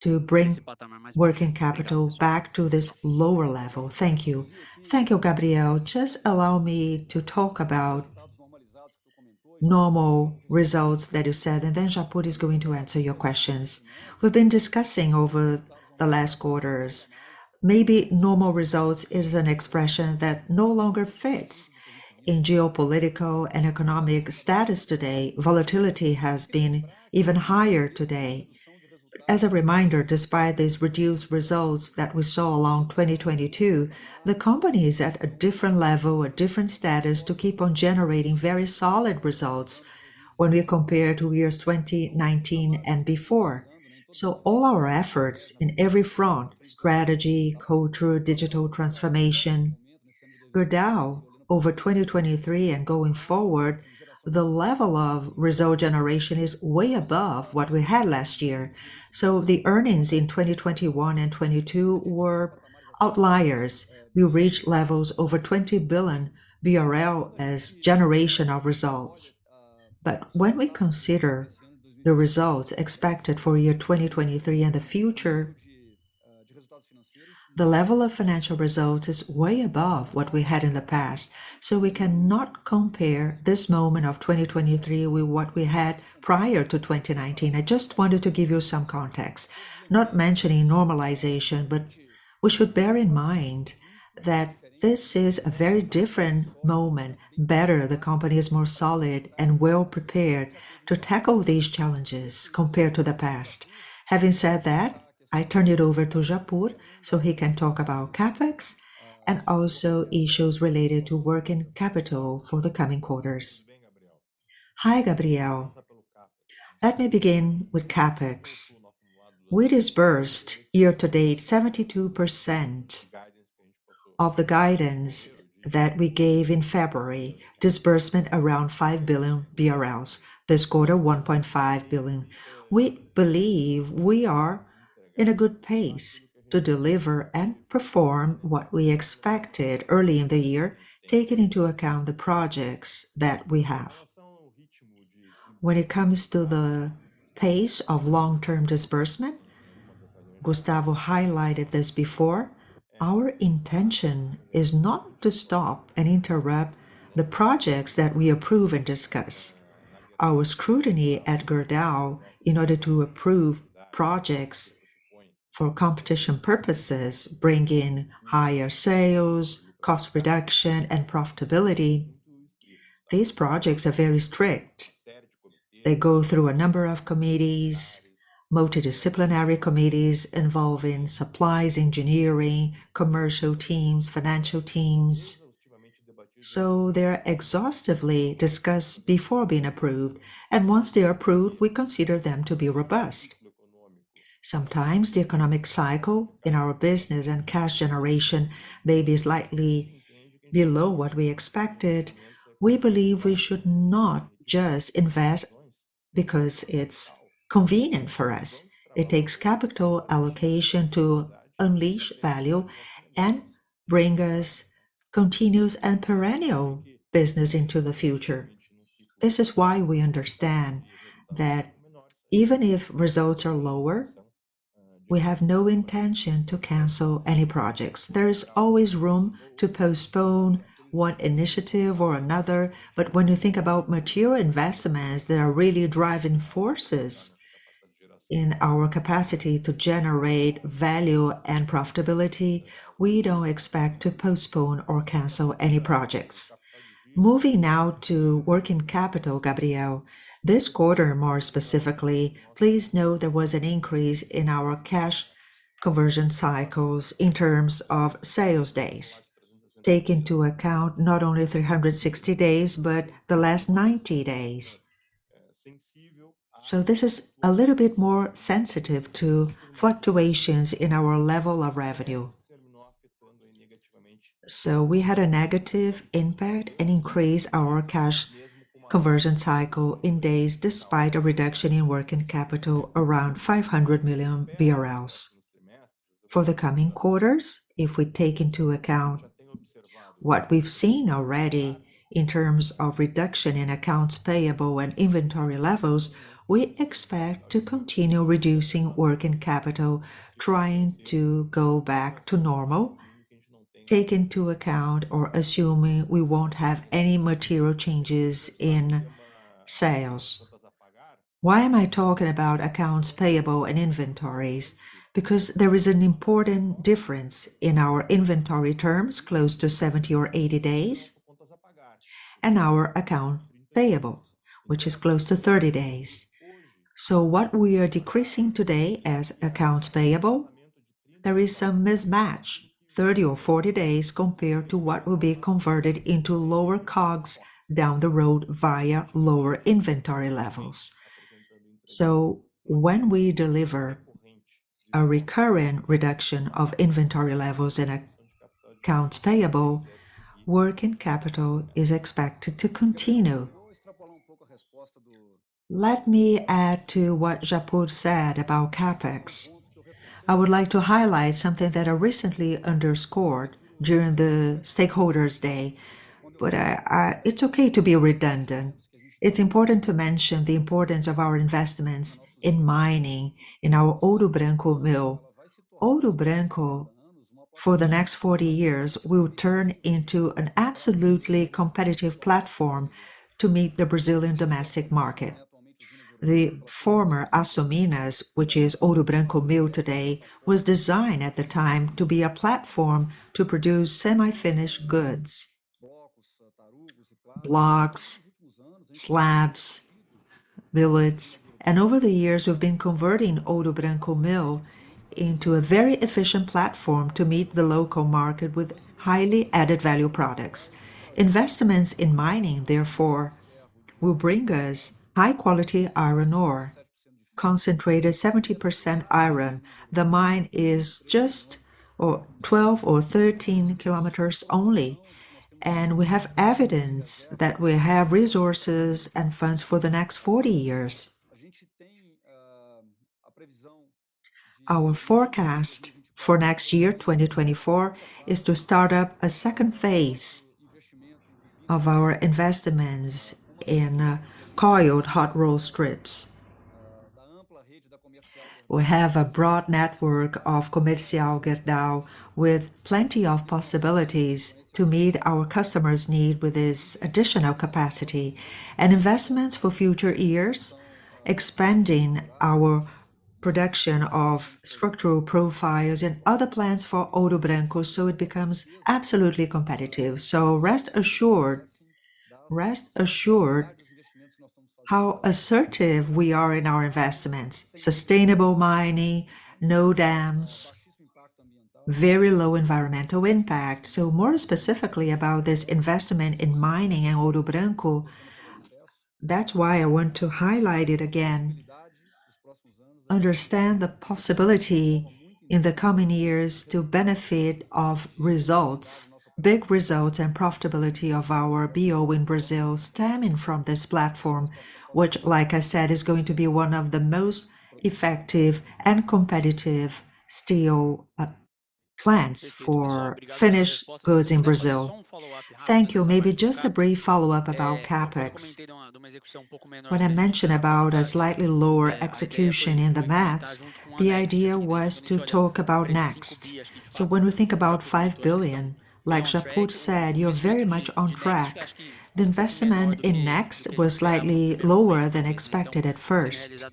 to bring working capital back to this lower level. Thank you. Thank you, Gabriel. Just allow me to talk about normal results that you said, and then Japur is going to answer your questions. We've been discussing over the last quarters. Maybe normal results is an expression that no longer fits in geopolitical and economic status today. Volatility has been even higher today. As a reminder, despite these reduced results that we saw along 2022, the company is at a different level, a different status, to keep on generating very solid results when we compare to years 2019 and before. So all our efforts in every front, strategy, culture, digital transformation, bearing down over 2023 and going forward, the level of result generation is way above what we had last year. So the earnings in 2021 and 2022 were outliers. We reached levels over 20 billion BRL as generation of results. But when we consider the results expected for year 2023 and the future, the level of financial results is way above what we had in the past. So we cannot compare this moment of 2023 with what we had prior to 2019. I just wanted to give you some context. Not mentioning normalization, but we should bear in mind that this is a very different moment, better. The company is more solid and well prepared to tackle these challenges compared to the past. Having said that, I turn it over to Japur, so he can talk about CapEx, and also issues related to working capital for the coming quarters. Hi, Gabriel. Let me begin with CapEx. We disbursed year to date 72% of the guidance that we gave in February, disbursement around 5 billion BRL, this quarter 1.5 billion. We believe we are in a good pace to deliver and perform what we expected early in the year, taking into account the projects that we have. When it comes to the pace of long-term disbursement, Gustavo highlighted this before, our intention is not to stop and interrupt the projects that we approve and discuss. Our scrutiny at Gerdau, in order to approve projects for competition purposes, bring in higher sales, cost reduction, and profitability, these projects are very strict. They go through a number of committees, multidisciplinary committees involving supplies, engineering, commercial teams, financial teams. They're exhaustively discussed before being approved, and once they are approved, we consider them to be robust. Sometimes, the economic cycle in our business and cash generation may be slightly below what we expected. We believe we should not just invest because it's convenient for us. It takes capital allocation to unleash value and bring us continuous and perennial business into the future. This is why we understand that even if results are lower, we have no intention to cancel any projects. There is always room to postpone one initiative or another, but when you think about material investments that are really driving forces in our capacity to generate value and profitability, we don't expect to postpone or cancel any projects. Moving now to working capital, Gabriel. This quarter, more specifically, please note there was an increase in our cash conversion cycles in terms of sales days. Take into account not only 360 days, but the last 90 days. So this is a little bit more sensitive to fluctuations in our level of revenue. So we had a negative impact and increased our cash conversion cycle in days, despite a reduction in working capital, around 500 million BRL. For the coming quarters, if we take into account what we've seen already in terms of reduction in accounts payable and inventory levels, we expect to continue reducing working capital, trying to go back to normal, take into account or assuming we won't have any material changes in sales. Why am I talking about accounts payable and inventories? Because there is an important difference in our inventory terms, close to 70 or 80 days, and our accounts payable, which is close to 30 days. So what we are decreasing today as accounts payable, there is some mismatch, 30 or 40 days, compared to what will be converted into lower COGS down the road via lower inventory levels. So when we deliver a recurring reduction of inventory levels and accounts payable, working capital is expected to continue. Let me add to what Japur said about CapEx. I would like to highlight something that I recently underscored during the Stakeholders Day, but it's okay to be redundant. It's important to mention the importance of our investments in mining in our Ouro Branco Mill. Ouro Branco, for the next 40 years, will turn into an absolutely competitive platform to meet the Brazilian domestic market. The former Açominas, which is Ouro Branco Mill today, was designed at the time to be a platform to produce semi-finished goods, blocks, slabs, billets, and over the years, we've been converting Ouro Branco Mill into a very efficient platform to meet the local market with highly added value products. Investments in mining, therefore, will bring us high-quality iron ore, concentrated 70% iron. The mine is just 12 or 13 km only, and we have evidence that we have resources and funds for the next 40 years... Our forecast for next year, 2024, is to start up a second phase of our investments in coiled hot-roll strips. We have a broad network of Comercial Gerdau, with plenty of possibilities to meet our customers' need with this additional capacity. Investments for future years, expanding our production of structural profiles in other plants for Ouro Branco, so it becomes absolutely competitive. So rest assured, rest assured how assertive we are in our investments. Sustainable mining, no dams, very low environmental impact. So more specifically about this investment in mining in Ouro Branco, that's why I want to highlight it again. Understand the possibility in the coming years to benefit of results, big results and profitability of our BO in Brazil stemming from this platform, which, like I said, is going to be one of the most effective and competitive steel plants for finished goods in Brazil. Thank you. Maybe just a brief follow-up about CapEx. When I mentioned about a slightly lower execution in 2024, the idea was to talk about next. So when we think about 5 billion, like Japur said, you're very much on track. The investment in Gerdau Next was slightly lower than expected at first,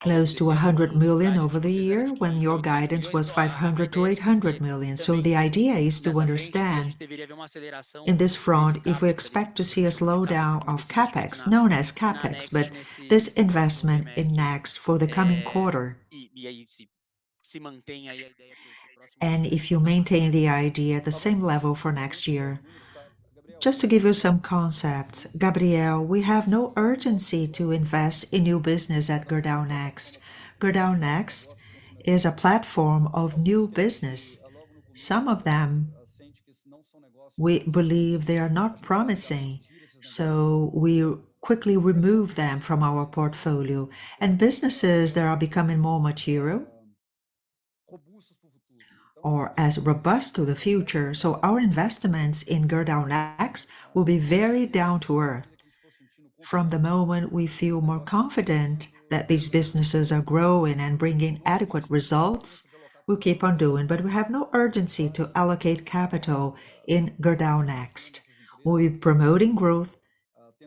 close to $100 million over the year, when your guidance was $500 million-$800 million. So the idea is to understand, in this front, if we expect to see a slowdown of CapEx, known as CapEx, but this investment in Gerdau Next for the coming quarter, and if you maintain the idea the same level for next year. Just to give you some concepts, Gabriel, we have no urgency to invest in new business at Gerdau Next. Gerdau Next is a platform of new business. Some of them, we believe they are not promising, so we quickly remove them from our portfolio. And businesses that are becoming more mature or as robust to the future, so our investments in Gerdau Next will be very down to earth. From the moment we feel more confident that these businesses are growing and bringing adequate results, we'll keep on doing. But we have no urgency to allocate capital in Gerdau Next. We'll be promoting growth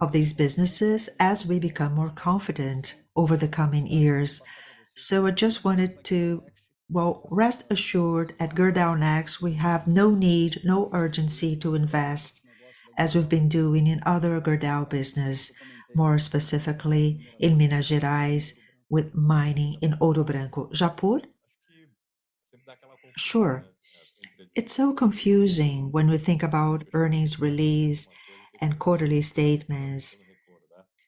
of these businesses as we become more confident over the coming years. So I just wanted to... Well, rest assured, at Gerdau Next, we have no need, no urgency to invest as we've been doing in other Gerdau business, more specifically in Minas Gerais with mining in Ouro Branco. Japur? Sure. It's so confusing when we think about earnings release and quarterly statements.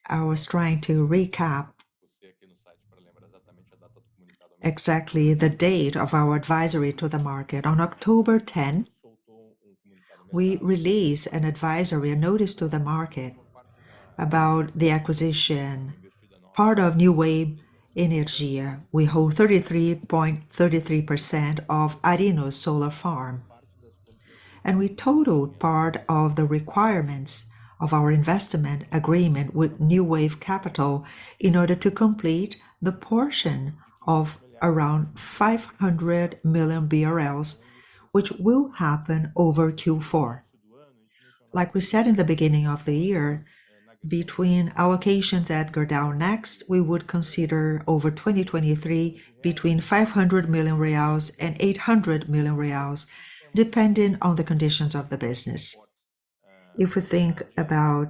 I was trying to recap exactly the date of our advisory to the market. On October 10, we released an advisory, a notice to the market, about the acquisition, part of Newave Energia. We hold 33.33% of Arinos Solar Farm, and we totaled part of the requirements of our investment agreement with Newave Capital in order to complete the portion of around 500 million BRL, which will happen over Q4. Like we said in the beginning of the year, between allocations at Gerdau Next, we would consider over 2023, between 500 million reais and 800 million reais, depending on the conditions of the business. If we think about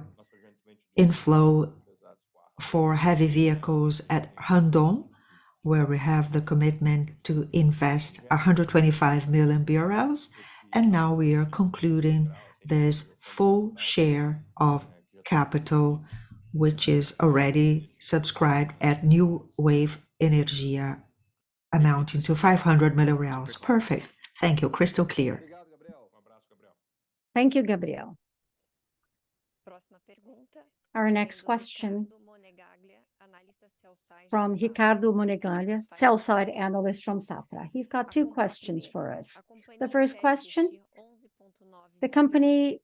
inflow for heavy vehicles at Rondon, where we have the commitment to invest 125 million BRL, and now we are concluding this full share of capital, which is already subscribed at Newave Energia, amounting to 500 million. Perfect. Thank you. Crystal clear. Thank you, Gabriel. Our next question from Ricardo Monegaglia, sell-side analyst from Safra. He's got two questions for us. The first question: The company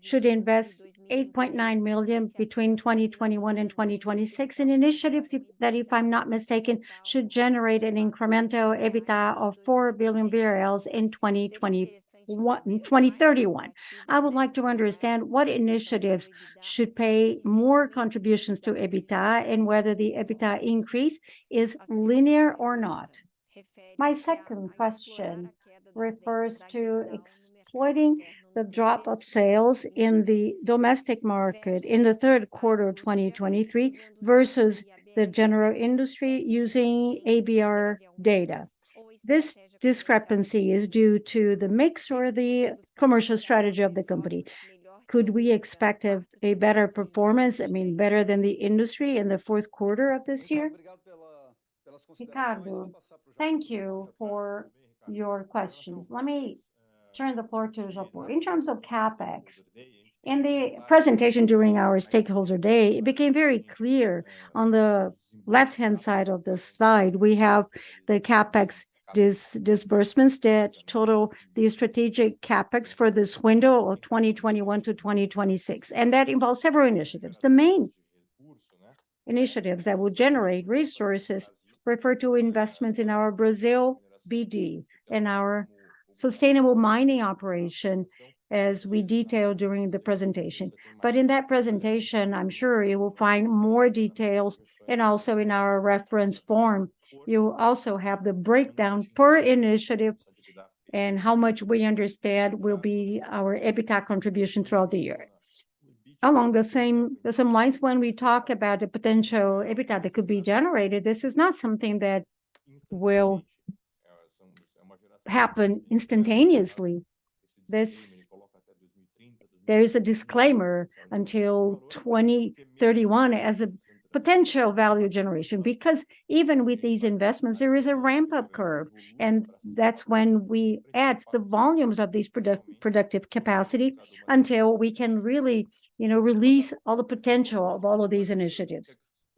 should invest 8.9 million between 2021 and 2026 in initiatives, if I'm not mistaken, should generate an incremental EBITDA of 4 billion BRL in 2021... 2031. I would like to understand what initiatives should pay more contributions to EBITDA, and whether the EBITDA increase is linear or not. My second question refers to explaining the drop of sales in the domestic market in the third quarter of 2023 versus the general industry using IABr data. This discrepancy is due to the mix or the commercial strategy of the company. Could we expect a better performance, I mean, better than the industry in the fourth quarter of this year? Ricardo, thank you for your questions. Turn the floor to João Paulo. In terms of CapEx, in the presentation during our stakeholder day, it became very clear on the left-hand side of the slide, we have the CapEx disbursements that total the strategic CapEx for this window of 2021 to 2026, and that involves several initiatives. The main initiatives that will generate resources refer to investments in our Brazil BD and our sustainable mining operation, as we detailed during the presentation. But in that presentation, I'm sure you will find more details, and also in our reference form, you also have the breakdown per initiative and how much we understand will be our EBITDA contribution throughout the year. Along the same lines, when we talk about the potential EBITDA that could be generated, this is not something that will happen instantaneously. This... There is a disclaimer until 2031 as a potential value generation, because even with these investments, there is a ramp-up curve, and that's when we add the volumes of these productive capacity until we can really, you know, release all the potential of all of these initiatives.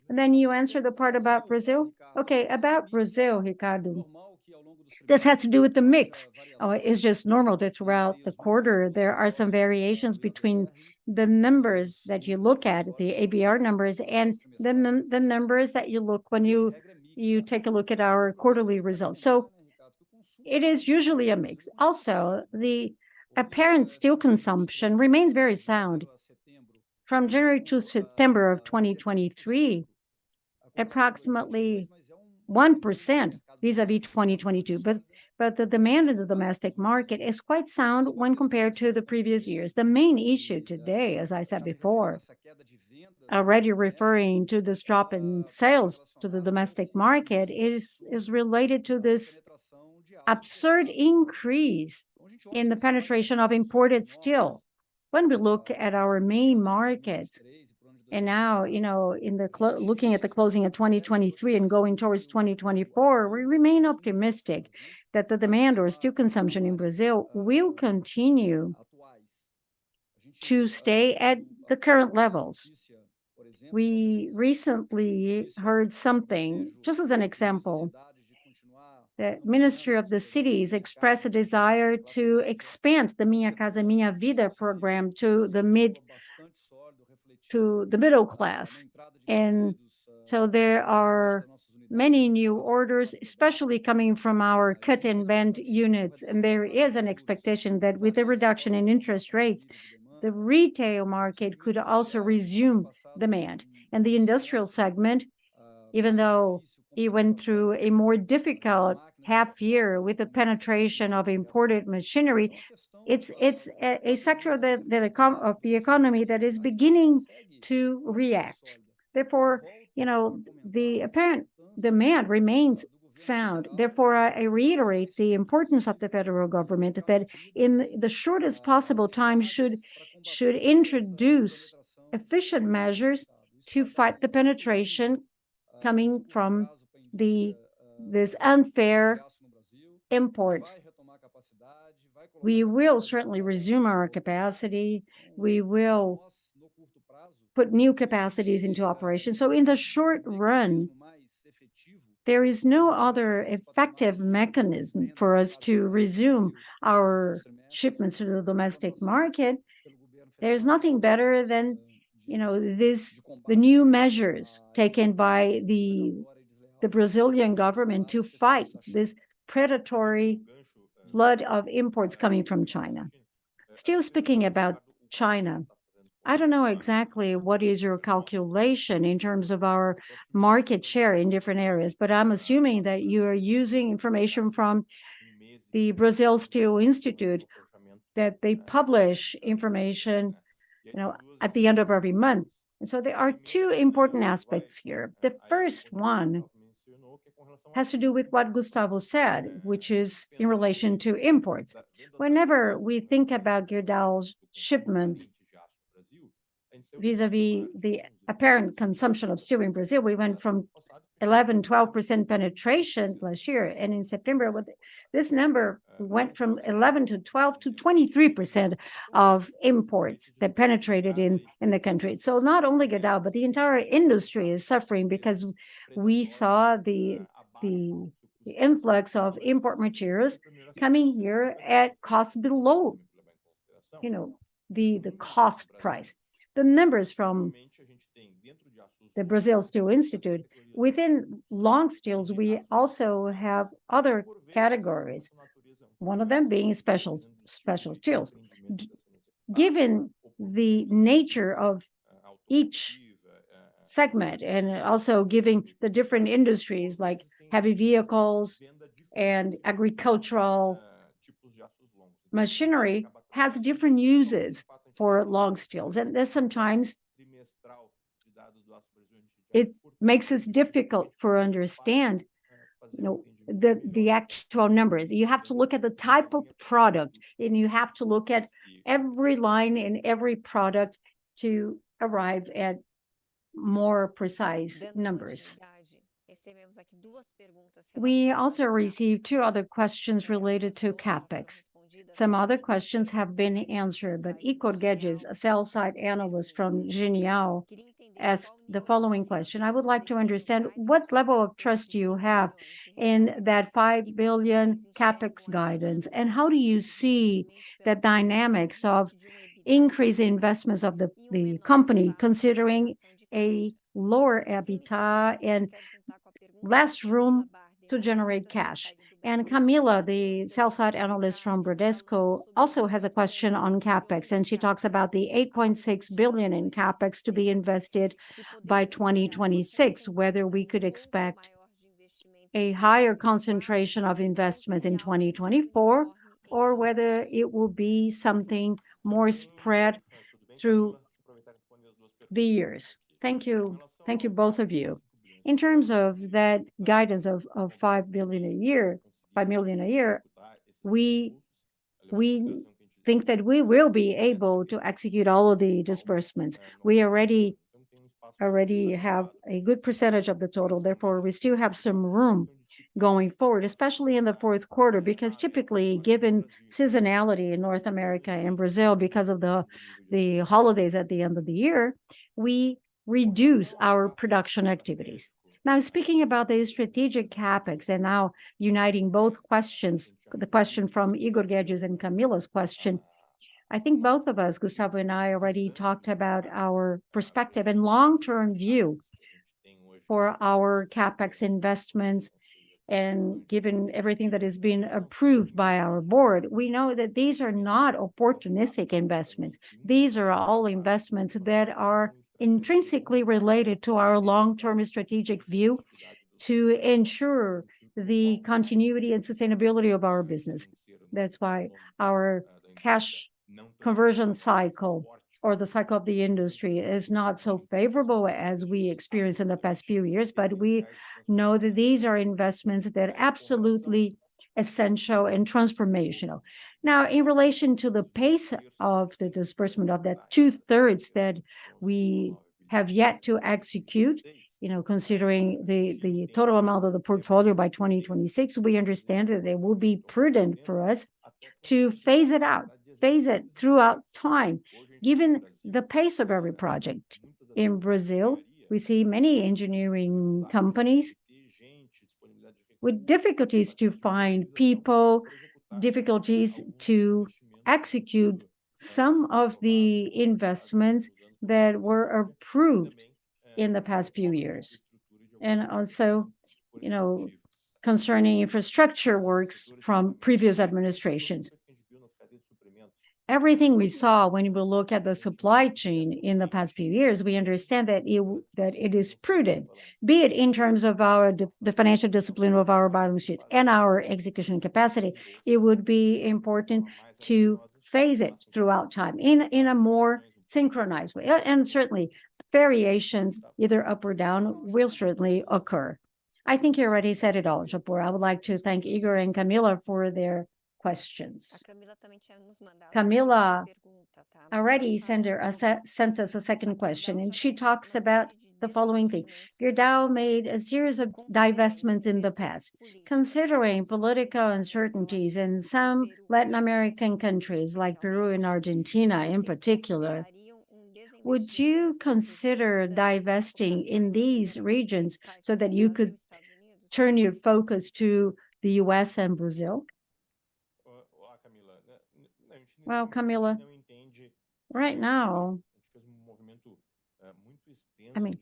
And then you answer the part about Brazil? Okay, about Brazil, Ricardo, this has to do with the mix. It's just normal that throughout the quarter there are some variations between the numbers that you look at, the ABR numbers, and the numbers that you look when you take a look at our quarterly results. So it is usually a mix. Also, the apparent steel consumption remains very sound. From January to September of 2023, approximately 1% vis-à-vis 2022, but the demand in the domestic market is quite sound when compared to the previous years. The main issue today, as I said before, already referring to this drop in sales to the domestic market, is related to this absurd increase in the penetration of imported steel. When we look at our main markets, and now, you know, looking at the closing of 2023 and going towards 2024, we remain optimistic that the demand or steel consumption in Brazil will continue to stay at the current levels. We recently heard something, just as an example, the Ministry of the Cities expressed a desire to expand the Minha Casa, Minha Vida program to the middle class. And so there are many new orders, especially coming from our cut and bend units, and there is an expectation that with the reduction in interest rates, the retail market could also resume demand. And the industrial segment, even though it went through a more difficult half year with the penetration of imported machinery, it's a sector of the economy that is beginning to react. Therefore, you know, the apparent demand remains sound. Therefore, I reiterate the importance of the federal government that in the shortest possible time should introduce efficient measures to fight the penetration coming from the... this unfair import. We will certainly resume our capacity. We will put new capacities into operation. So in the short run, there is no other effective mechanism for us to resume our shipments to the domestic market. There's nothing better than, you know, this, the new measures taken by the Brazilian government to fight this predatory flood of imports coming from China. Still speaking about China, I don't know exactly what is your calculation in terms of our market share in different areas, but I'm assuming that you are using information from the Brazil Steel Institute, that they publish information, you know, at the end of every month. So there are two important aspects here. The first one has to do with what Gustavo said, which is in relation to imports. Whenever we think about Gerdau's shipments vis-à-vis the apparent consumption of steel in Brazil, we went from 11%-12% penetration last year, and in September this number went from 11%-12%-23% of imports that penetrated in the country. So not only Gerdau, but the entire industry is suffering because we saw the influx of import materials coming here at cost below, you know, the cost price. The numbers from the Brazil Steel Institute, within long steels, we also have other categories, one of them being specials, specialty steels. Given the nature of each segment, and also giving the different industries, like heavy vehicles and agricultural machinery, has different uses for long steels, and this sometimes it makes this difficult for understand, you know, the, the actual numbers. You have to look at the type of product, and you have to look at every line and every product to arrive at more precise numbers. We also received two other questions related to CapEx. Some other questions have been answered, but Igor Guedes, a sell-side analyst from Genial, asked the following question: "I would like to understand, what level of trust do you have in that 5 billion CapEx guidance, and how do you see the dynamics of increasing investments of the, the company, considering a lower EBITDA and less room to generate cash?" And Camila, the sell-side analyst from Bradesco, also has a question on CapEx, and she talks about the 8.6 billion in CapEx to be invested by 2026, whether we could expect a higher concentration of investments in 2024, or whether it will be something more spread through the years. Thank you. Thank you, both of you. In terms of that guidance of, of 5 billion a year, 5 million a year, we, we think that we will be able to execute all of the disbursements. We already, already have a good percentage of the total, therefore, we still have some room going forward, especially in the fourth quarter, because typically, given seasonality in North America and Brazil because of the holidays at the end of the year, we reduce our production activities. Now, speaking about the strategic CapEx and now uniting both questions, the question from Igor Guedes and Camila's question, I think both of us, Gustavo and I, already talked about our perspective and long-term view for our CapEx investments. And given everything that has been approved by our board, we know that these are not opportunistic investments. These are all investments that are intrinsically related to our long-term strategic view to ensure the continuity and sustainability of our business. That's why our cash conversion cycle, or the cycle of the industry, is not so favorable as we experienced in the past few years, but we know that these are investments that are absolutely essential and transformational. Now, in relation to the pace of the disbursement of that two-thirds that we have yet to execute, you know, considering the total amount of the portfolio by 2026, we understand that it will be prudent for us to phase it out, phase it throughout time, given the pace of every project. In Brazil, we see many engineering companies with difficulties to find people, difficulties to execute some of the investments that were approved in the past few years, and also, you know, concerning infrastructure works from previous administrations. Everything we saw when we look at the supply chain in the past few years, we understand that it is prudent, be it in terms of the financial discipline of our balance sheet and our execution capacity, it would be important to phase it throughout time in a more synchronized way. And certainly, variations, either up or down, will certainly occur. I think you already said it all, Japur. I would like to thank Igor and Camila for their questions. Camila already sent a sent us a second question, and she talks about the following thing: "Gerdau made a series of divestments in the past. Considering political uncertainties in some Latin American countries, like Peru and Argentina in particular, would you consider divesting in these regions so that you could turn your focus to the U.S. and Brazil? Well, Camila, right now, I mean,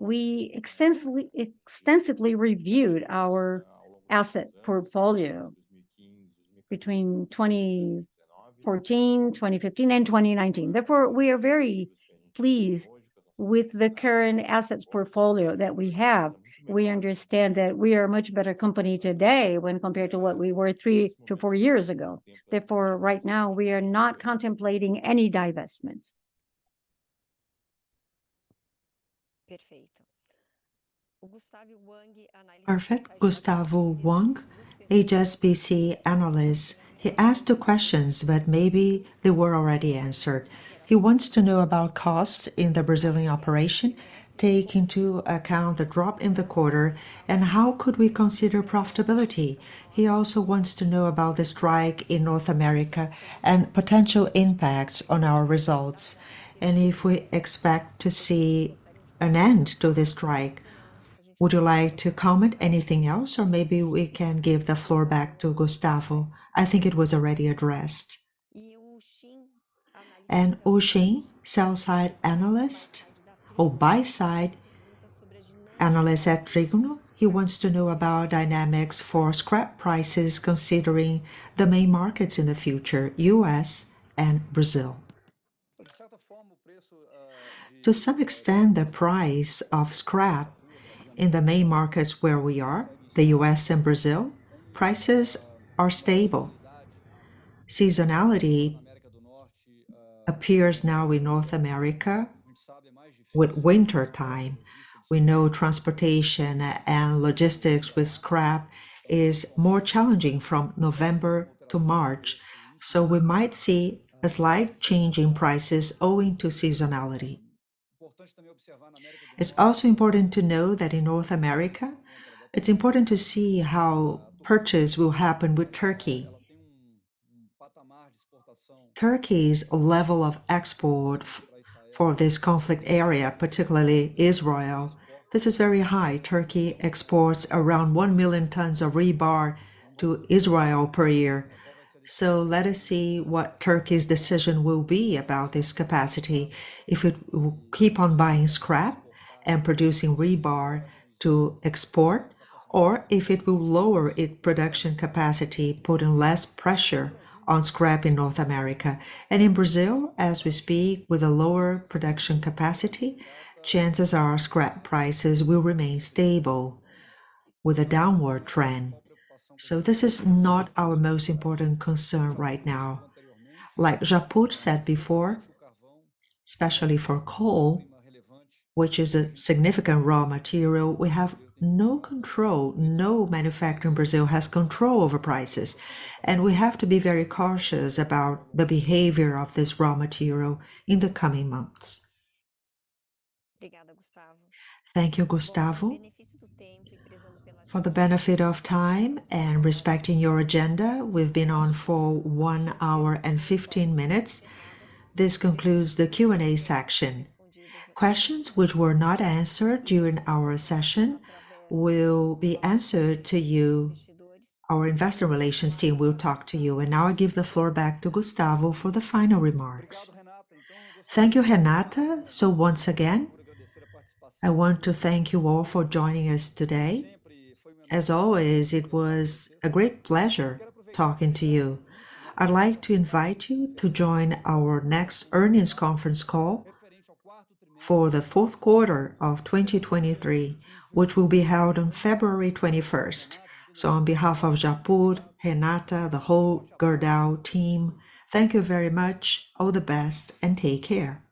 we extensively, extensively reviewed our asset portfolio between 2014, 2015, and 2019. Therefore, we are very pleased with the current assets portfolio that we have. We understand that we are a much better company today when compared to what we were 3-4 years ago. Therefore, right now, we are not contemplating any divestments. Perfect. Gustavo Wang, HSBC analyst, he asked two questions, but maybe they were already answered. He wants to know about costs in the Brazilian operation, taking into account the drop in the quarter, and how could we consider profitability? He also wants to know about the strike in North America and potential impacts on our results, and if we expect to see an end to the strike. Would you like to comment anything else, or maybe we can give the floor back to Gustavo? I think it was already addressed. And Usheen, sell-side analyst or buy-side analyst at Trigono Capital, he wants to know about dynamics for scrap prices, considering the main markets in the future, U.S. and Brazil. To some extent, the price of scrap in the main markets where we are, the U.S. and Brazil, prices are stable. Seasonality appears now in North America with wintertime. We know transportation and logistics with scrap is more challenging from November to March, so we might see a slight change in prices owing to seasonality.... It's also important to know that in North America, it's important to see how purchases will happen with Turkey. Turkey's level of exports for this conflict area, particularly Israel, this is very high. Turkey exports around 1,000,000 tons of rebar to Israel per year. So let us see what Turkey's decision will be about this capacity, if it will keep on buying scrap and producing rebar to export, or if it will lower its production capacity, putting less pressure on scrap in North America. And in Brazil, as we speak, with a lower production capacity, chances are scrap prices will remain stable with a downward trend. So this is not our most important concern right now. Like Japur said before, especially for coal, which is a significant raw material, we have no control, no manufacturer in Brazil has control over prices, and we have to be very cautious about the behavior of this raw material in the coming months. Thank you, Gustavo. For the benefit of time and respecting your agenda, we've been on for 1 hour and 15 minutes. This concludes the Q&A section. Questions which were not answered during our session will be answered to you. Our investor relations team will talk to you. And now I give the floor back to Gustavo for the final remarks. Thank you, Renata. So once again, I want to thank you all for joining us today. As always, it was a great pleasure talking to you. I'd like to invite you to join our next earnings conference call for the fourth quarter of 2023, which will be held on February 21st. On behalf of Japur, Renata, the whole Gerdau team, thank you very much. All the best, and take care.